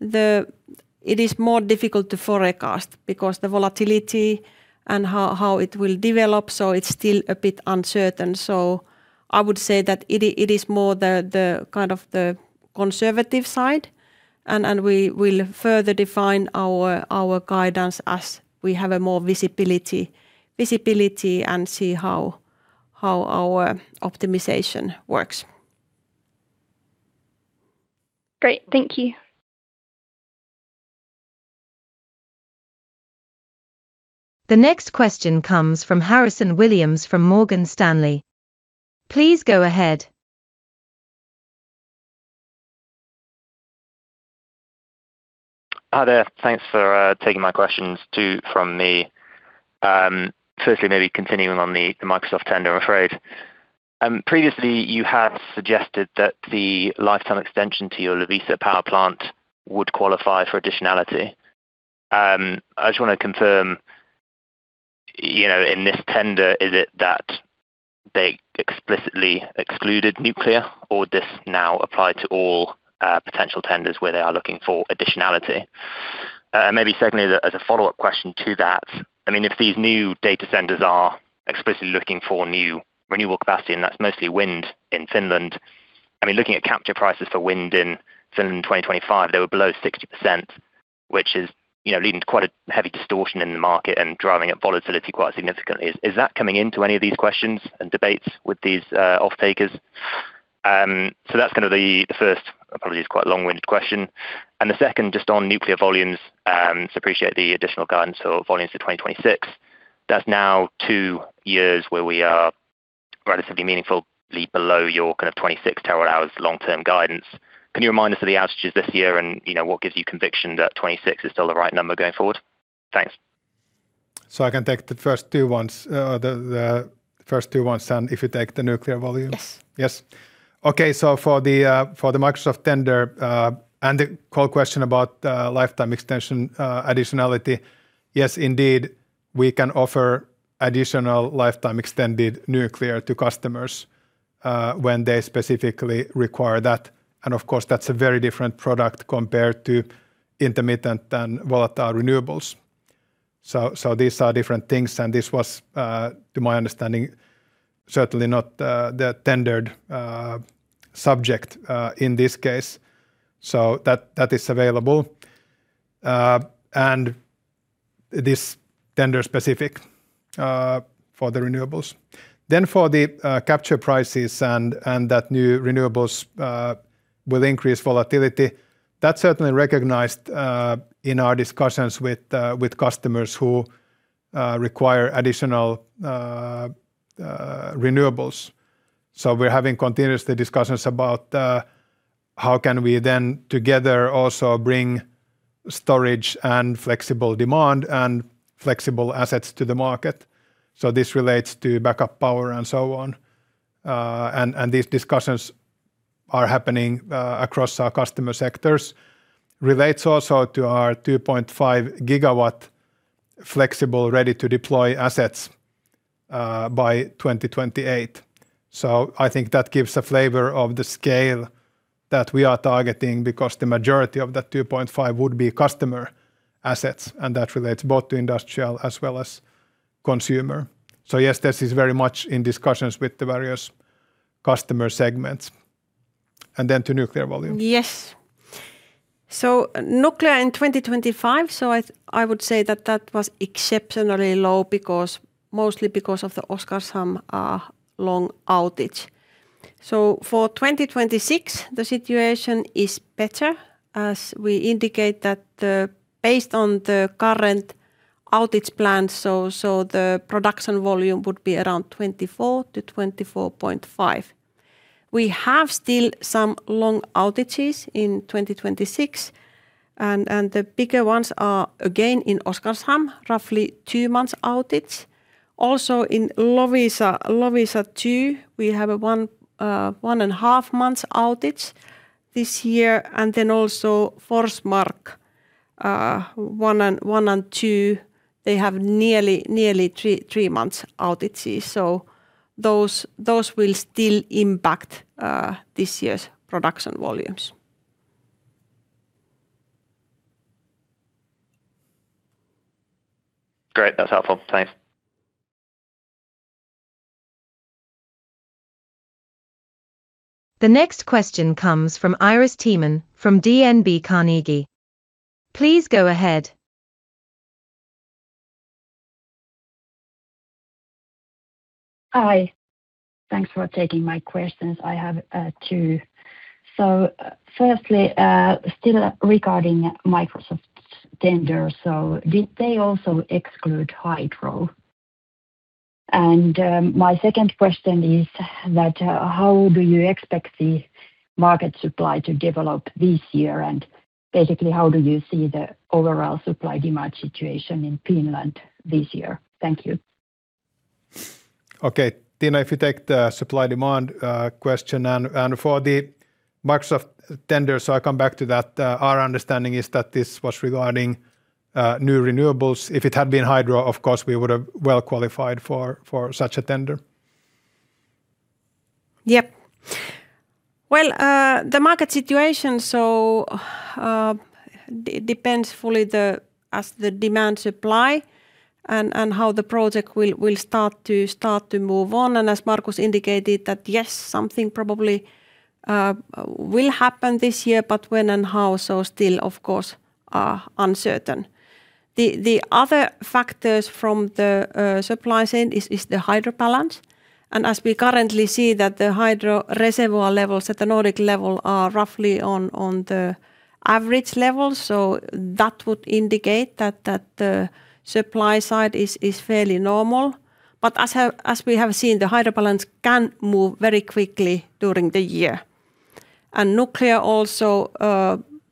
it is more difficult to forecast because the volatility and how it will develop, so it's still a bit uncertain. So I would say that it is more the kind of conservative side, and we will further define our guidance as we have more visibility and see how our optimization works. Great, thank you. The next question comes from Harrison Williams from Morgan Stanley. Please go ahead. Hi there. Thanks for taking my questions, too, from me. Firstly, maybe continuing on the Microsoft tender, I'm afraid. I just wanna confirm, you know, in this tender, is it that they explicitly excluded nuclear, or would this now apply to all potential tenders where they are looking for additionality? And maybe secondly, as a follow-up question to that, I mean, if these new data centers are explicitly looking for new renewable capacity, and that's mostly wind in Finland, I mean, looking at capture prices for wind in Finland in 2025, they were below 60%, which is, you know, leading to quite a heavy distortion in the market and driving up volatility quite significantly. Is that coming into any of these questions and debates with these off takers? So that's kind of the first, probably is quite long-winded question. And the second, just on nuclear volumes, so appreciate the additional guidance. So volumes to 2026, that's now two years where we are relatively meaningfully below your kind of 26 terawatt hours long-term guidance. Can you remind us of the outages this year, and you know, what gives you conviction that 26 is still the right number going forward? Thanks. So I can take the first two ones. The first two ones, and if you take the nuclear volumes. Yes. Yes. Okay, so for the Microsoft tender and the core question about lifetime extension, additionality, yes, indeed, we can offer additional lifetime extended nuclear to customers when they specifically require that, and of course, that's a very different product compared to intermittent and volatile renewables. So, so these are different things, and this was, to my understanding, certainly not the tendered subject in this case. So that, that is available. And it is tender-specific for the renewables. Then for the capture prices and that new renewables will increase volatility, that's certainly recognized in our discussions with customers who require additional renewables. So we're having continuously discussions about how can we then together also bring storage and flexible demand and flexible assets to the market. So this relates to backup power and so on. And these discussions are happening across our customer sectors. Relates also to our 2.5 GW flexible, ready-to-deploy assets by 2028. So I think that gives a flavor of the scale that we are targeting because the majority of that 2.5 would be customer assets, and that relates both to industrial as well as consumer. So yes, this is very much in discussions with the various customer segments. And then to nuclear volume. Yes. So nuclear in 2025, so I would say that that was exceptionally low because mostly because of the Oskarshamn long outage. So for 2026, the situation is better as we indicate that, based on the current outage plan, so the production volume would be around 24-24.5. We have still some long outages in 2026, and the bigger ones are again in Oskarshamn, roughly two months outage. Also in Loviisa, Loviisa two, we have a one and a half months outage this year, and then also Forsmark one and two, they have nearly three months outages. So those will still impact this year's production volumes. Great, that's helpful. Thanks. The next question comes from Iris Tieman from DNB Carnegie. Please go ahead. Hi, thanks for taking my questions. I have two. Firstly, still regarding Microsoft's tender, did they also exclude hydro? My second question is that how do you expect the market supply to develop this year, and basically, how do you see the overall supply-demand situation in Finland this year? Thank you. Okay, Tiina, if you take the supply-demand question, and for the Microsoft tender, so I come back to that. Our understanding is that this was regarding new renewables. If it had been hydro, of course, we would have well qualified for such a tender. Yep. Well, the market situation, so, depends fully on the demand, supply, and how the project will start to move on. And as Markus indicated, that, yes, something probably will happen this year, but when and how, so still of course, are uncertain. The other factors from the supply chain is the hydro balance. And as we currently see that the hydro reservoir levels at the Nordic level are roughly on the average level, so that would indicate that the supply side is fairly normal. But as we have seen, the hydro balance can move very quickly during the year. And nuclear also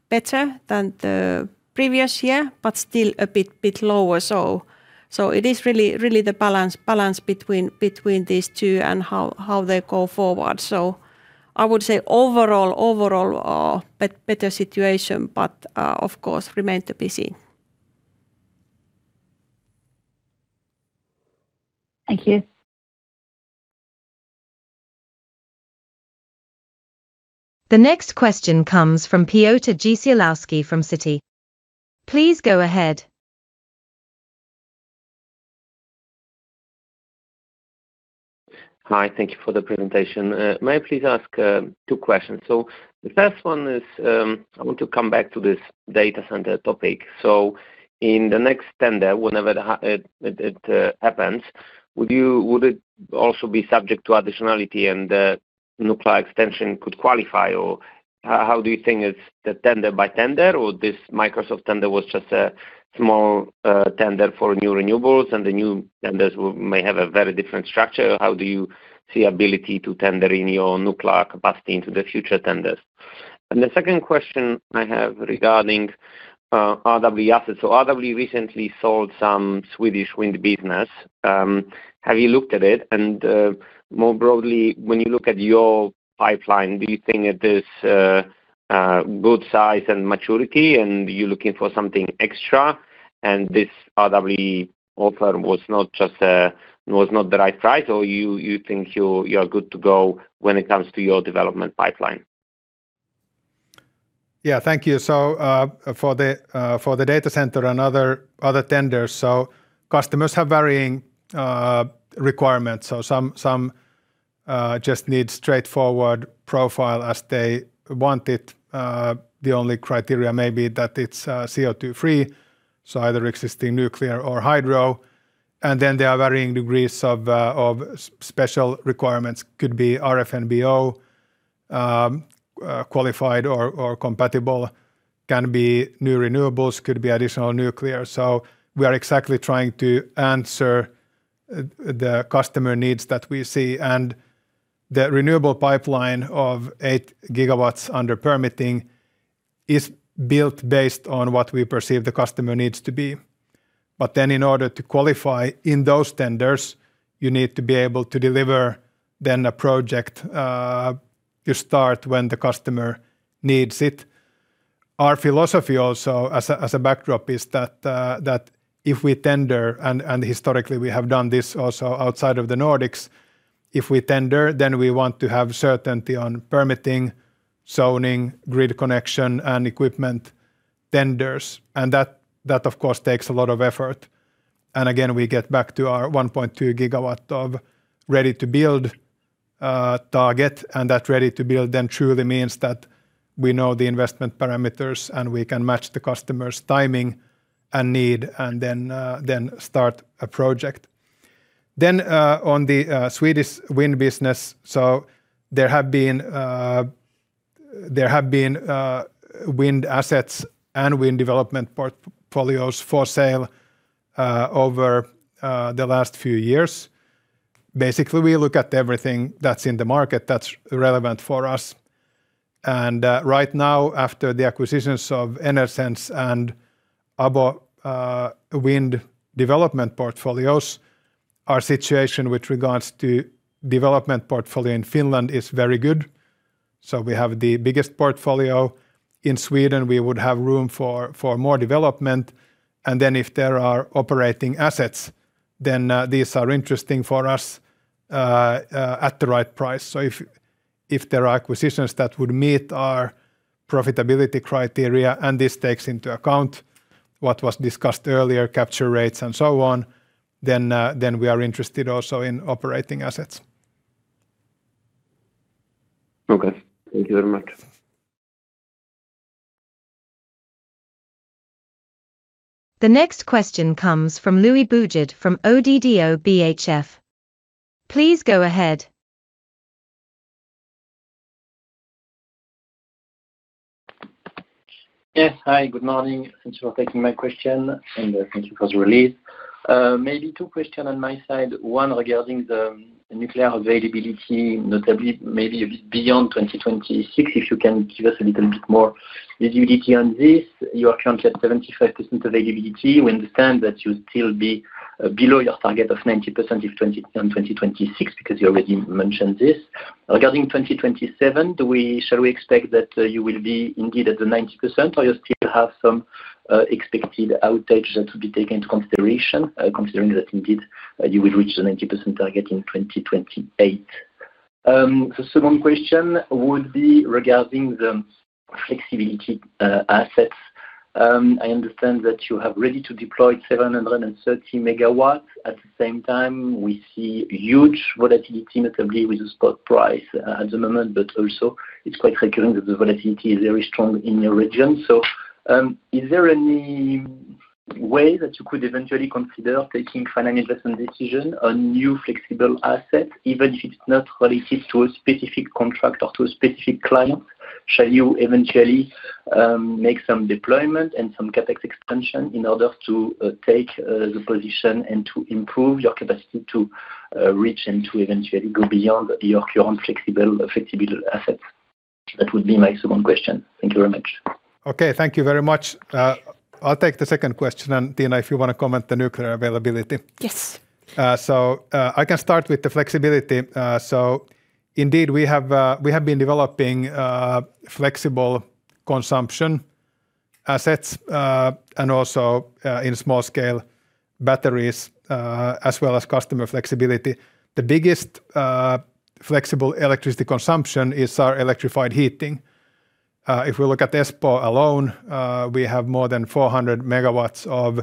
better than the previous year, but still a bit lower. It is really the balance between these two and how they go forward. I would say overall better situation, but of course, remain to be seen. Thank you. The next question comes from Piotr Dzieciołowski from Citi. Please go ahead. Hi, thank you for the presentation. May I please ask two questions? So the first one is, I want to come back to this data center topic. So in the next tender, whenever that happens, would it also be subject to additionality and nuclear extension could qualify? Or how do you think it's the tender by tender, or this Microsoft tender was just a small tender for new renewables, and the new tenders will may have a very different structure. How do you see ability to tender in your nuclear capacity into the future tenders? And the second question I have regarding RWE assets. So RWE recently sold some Swedish wind business. Have you looked at it? More broadly, when you look at your pipeline, do you think it is good size and maturity, and you're looking for something extra, and this RWE offer was not just was not the right price, or you think you are good to go when it comes to your development pipeline? Yeah. Thank you. So, for the data center and other tenders, customers have varying requirements. Some just need straightforward profile as they want it. The only criteria may be that it's CO2 free, so either existing nuclear or hydro. And then there are varying degrees of special requirements. Could be RFNBO qualified or compatible, can be new renewables, could be additional nuclear. So we are exactly trying to answer the customer needs that we see. And the renewable pipeline of 8 GW under permitting is built based on what we perceive the customer needs to be. But then in order to qualify in those tenders, you need to be able to deliver then a project you start when the customer needs it. Our philosophy also, as a backdrop, is that if we tender, and historically we have done this also outside of the Nordics, if we tender, then we want to have certainty on permitting, zoning, grid connection, and equipment tenders. And that of course takes a lot of effort. And again, we get back to our 1.2 gigawatt of ready-to-build target. And that ready to build then truly means that we know the investment parameters, and we can match the customer's timing and need, and then start a project. Then, on the Swedish wind business, so there have been wind assets and wind development portfolios for sale over the last few years. Basically, we look at everything that's in the market that's relevant for us. Right now, after the acquisitions of Enersense and ABO Wind development portfolios, our situation with regards to development portfolio in Finland is very good. So we have the biggest portfolio. In Sweden, we would have room for more development, and then if there are operating assets, then these are interesting for us at the right price. So if there are acquisitions that would meet our profitability criteria, and this takes into account what was discussed earlier, capture rates and so on, then we are interested also in operating assets. Okay. Thank you very much. The next question comes from Louis Boujard from ODDO BHF. Please go ahead. Yes. Hi, good morning. Thanks for taking my question, and, thank you for the release. Maybe two questions on my side. One regarding the nuclear availability, notably, maybe a bit beyond 2026, if you can give us a little bit more visibility on this. You are currently at 75% availability. We understand that you'll still be below your target of 90% in 2026, because you already mentioned this. Regarding 2027, shall we expect that you will be indeed at the 90%, or you still have some expected outage that will be taken into consideration, considering that indeed you will reach the 90% target in 2028? The second question would be regarding the flexibility assets. I understand that you have ready to deploy 730 MW. At the same time, we see huge volatility, notably with the spot price at the moment, but also it's quite recurring that the volatility is very strong in the region. So, is there any way that you could eventually consider taking final investment decision on new flexible assets, even if it's not related to a specific contract or to a specific client? Shall you eventually make some deployment and some CapEx expansion in order to take the position and to improve your capacity to reach and to eventually go beyond your current flexible assets? That would be my second question. Thank you very much. Okay, thank you very much. I'll take the second question, and Tiina, if you wanna comment the nuclear availability. Yes. So, I can start with the flexibility. So indeed, we have, we have been developing, flexible consumption assets, and also, in small scale, batteries, as well as customer flexibility. The biggest, flexible electricity consumption is our electrified heating. If we look at Espoo alone, we have more than 400 MW of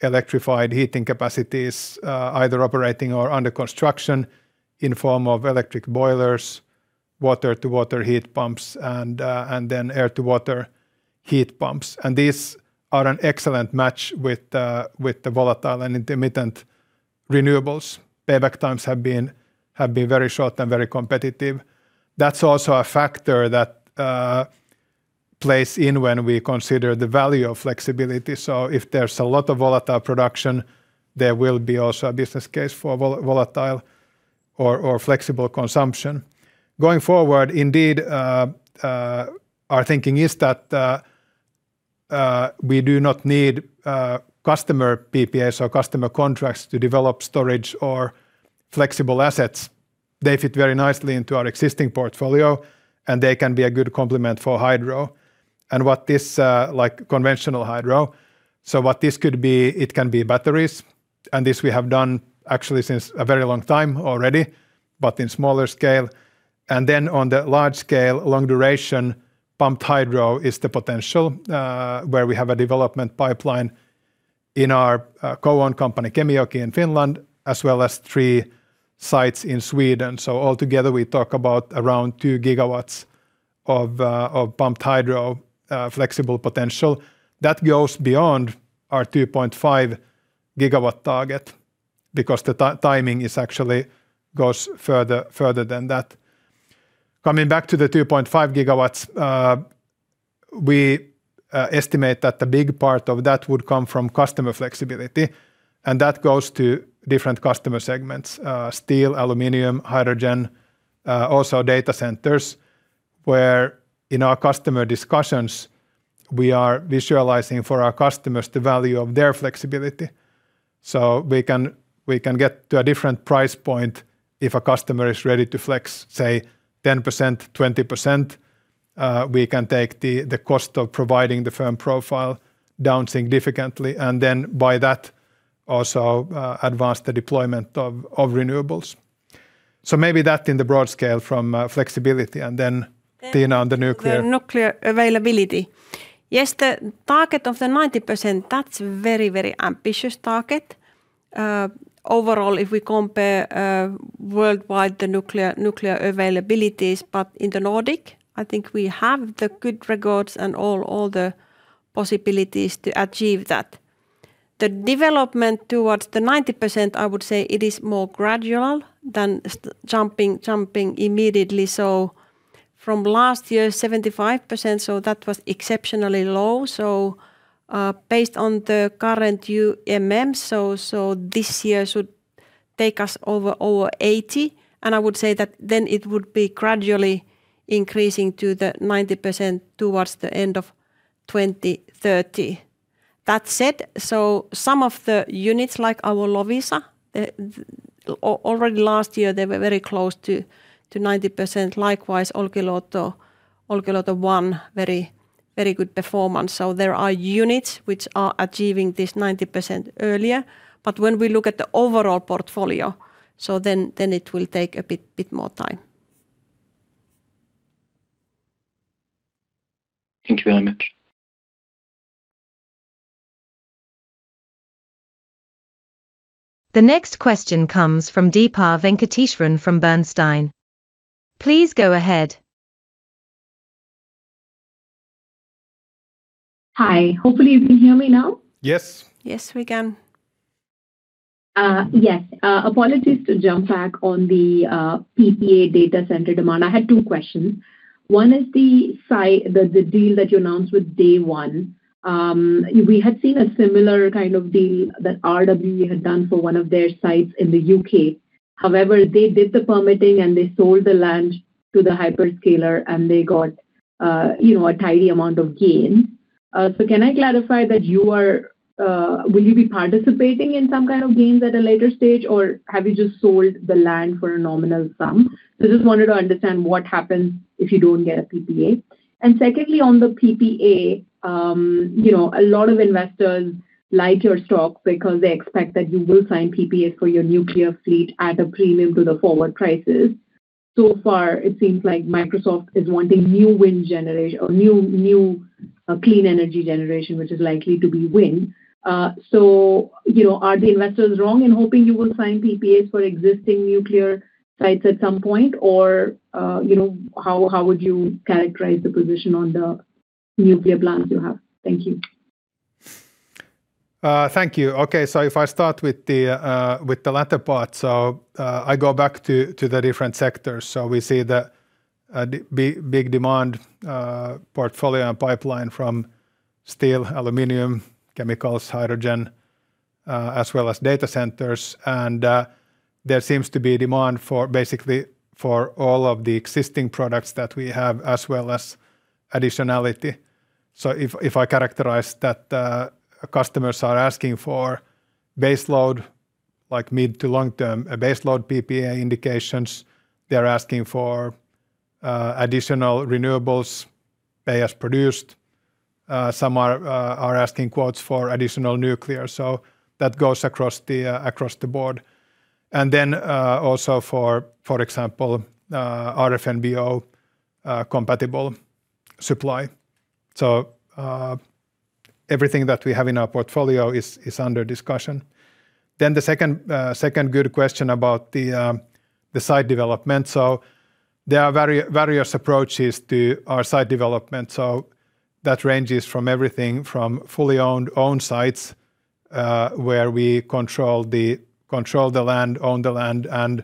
electrified heating capacities, either operating or under construction in form of electric boilers, water-to-water heat pumps, and, and then air-to-water heat pumps. And these are an excellent match with the, with the volatile and intermittent renewables. Payback times have been, have been very short and very competitive. That's also a factor that, plays in when we consider the value of flexibility. So if there's a lot of volatile production, there will be also a business case for volatile or flexible consumption. Going forward, indeed, our thinking is that we do not need customer PPAs or customer contracts to develop storage or flexible assets. They fit very nicely into our existing portfolio, and they can be a good complement for hydro. And what this, like conventional hydro. So what this could be, it can be batteries, and this we have done actually since a very long time already, but in smaller scale. And then on the large scale, long duration, pumped hydro is the potential, where we have a development pipeline in our co-owned company, Kemijoki, in Finland, as well as 3 sites in Sweden. So altogether, we talk about around 2 GW of pumped hydro flexible potential. That goes beyond our 2.5 GW target because the timing is actually goes further, further than that. Coming back to the 2.5 gigawatts, we estimate that the big part of that would come from customer flexibility, and that goes to different customer segments, steel, aluminum, hydrogen, also data centers, where in our customer discussions, we are visualizing for our customers the value of their flexibility. So we can get to a different price point if a customer is ready to flex, say, 10%, 20%, we can take the cost of providing the firm profile down significantly, and then by that, also advance the deployment of renewables. So maybe that in the broad scale from flexibility, and then Tiina on the nuclear. Nuclear availability. Yes, the target of the 90%, that's very, very ambitious target. Overall, if we compare worldwide, the nuclear availabilities, but in the Nordic, I think we have the good records and all the possibilities to achieve that. The development towards the 90%, I would say it is more gradual than jumping immediately. So from last year, 75%, so that was exceptionally low. So, based on the current, so this year should take us over 80, and I would say that then it would be gradually increasing to the 90% towards the end of 2030. That said, so some of the units, like our Loviisa, already last year, they were very close to 90%. Likewise, Olkiluoto, Olkiluoto One, very, very good performance. There are units which are achieving this 90% earlier. But when we look at the overall portfolio, it will take a bit more time. Thank you very much. The next question comes from Deepa Venkateswaran from Bernstein. Please go ahead. Hi. Hopefully you can hear me now. Yes. Yes, we can. Yes, apologies to jump back on the PPA data center demand. I had two questions. One is the deal that you announced with Day One. We had seen a similar kind of deal that RWE had done for one of their sites in the UK. However, they did the permitting, and they sold the land to the hyperscaler, and they got, you know, a tidy amount of gain. So can I clarify that you are... Will you be participating in some kind of gains at a later stage, or have you just sold the land for a nominal sum? So just wanted to understand what happens if you don't get a PPA. And secondly, on the PPA, you know, a lot of investors like your stock because they expect that you will sign PPAs for your nuclear fleet at a premium to the forward prices. So far, it seems like Microsoft is wanting new wind generation or new clean energy generation, which is likely to be wind. So, you know, are the investors wrong in hoping you will sign PPAs for existing nuclear sites at some point? Or, you know, how would you characterize the position on the nuclear plants you have? Thank you. Thank you. Okay, so if I start with the latter part, so I go back to the different sectors. So we see the big, big demand, portfolio and pipeline from steel, aluminum, chemicals, hydrogen, as well as data centers. And there seems to be demand for basically for all of the existing products that we have, as well as additionality. So if I characterize that, customers are asking for baseload, like mid- to long-term baseload PPA indications. They're asking for additional renewables, pay as produced. Some are asking quotes for additional nuclear, so that goes across the board. And then also for example, RFNBO compatible supply. So everything that we have in our portfolio is under discussion. Then the second good question about the site development. So there are various approaches to our site development, so that ranges from everything from fully owned sites, where we control the land, own the land, and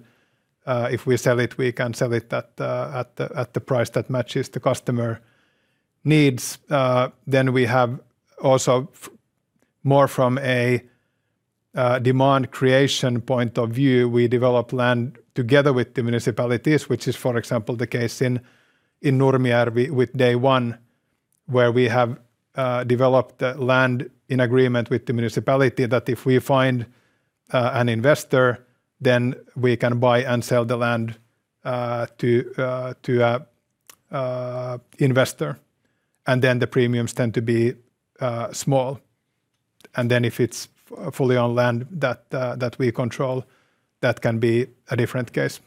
if we sell it, we can sell it at the price that matches the customer needs. Then we have also more from a demand creation point of view, we develop land together with the municipalities, which is, for example, the case in Nurmijärvi with Day One, where we have developed the land in agreement with the municipality, that if we find an investor, then we can buy and sell the land to an investor, and then the premiums tend to be small. And then if it's fully owned land that we control, that can be a different case.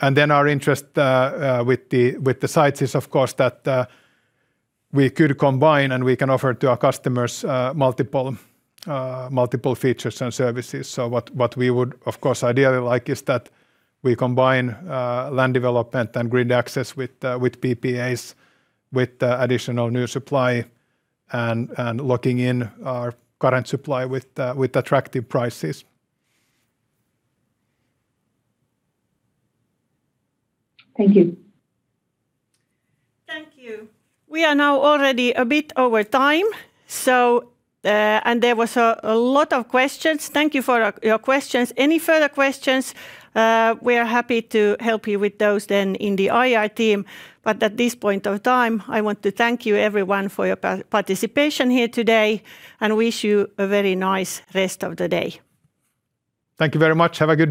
And then our interest with the sites is of course that we could combine, and we can offer to our customers multiple features and services. So what we would of course ideally like is that we combine land development and grid access with PPAs with additional new supply and locking in our current supply with attractive prices. Thank you. Thank you. We are now already a bit over time, so, and there was a lot of questions. Thank you for your questions. Any further questions, we are happy to help you with those then in the IR team. But at this point of time, I want to thank you everyone for your participation here today, and wish you a very nice rest of the day. Thank you very much. Have a good day.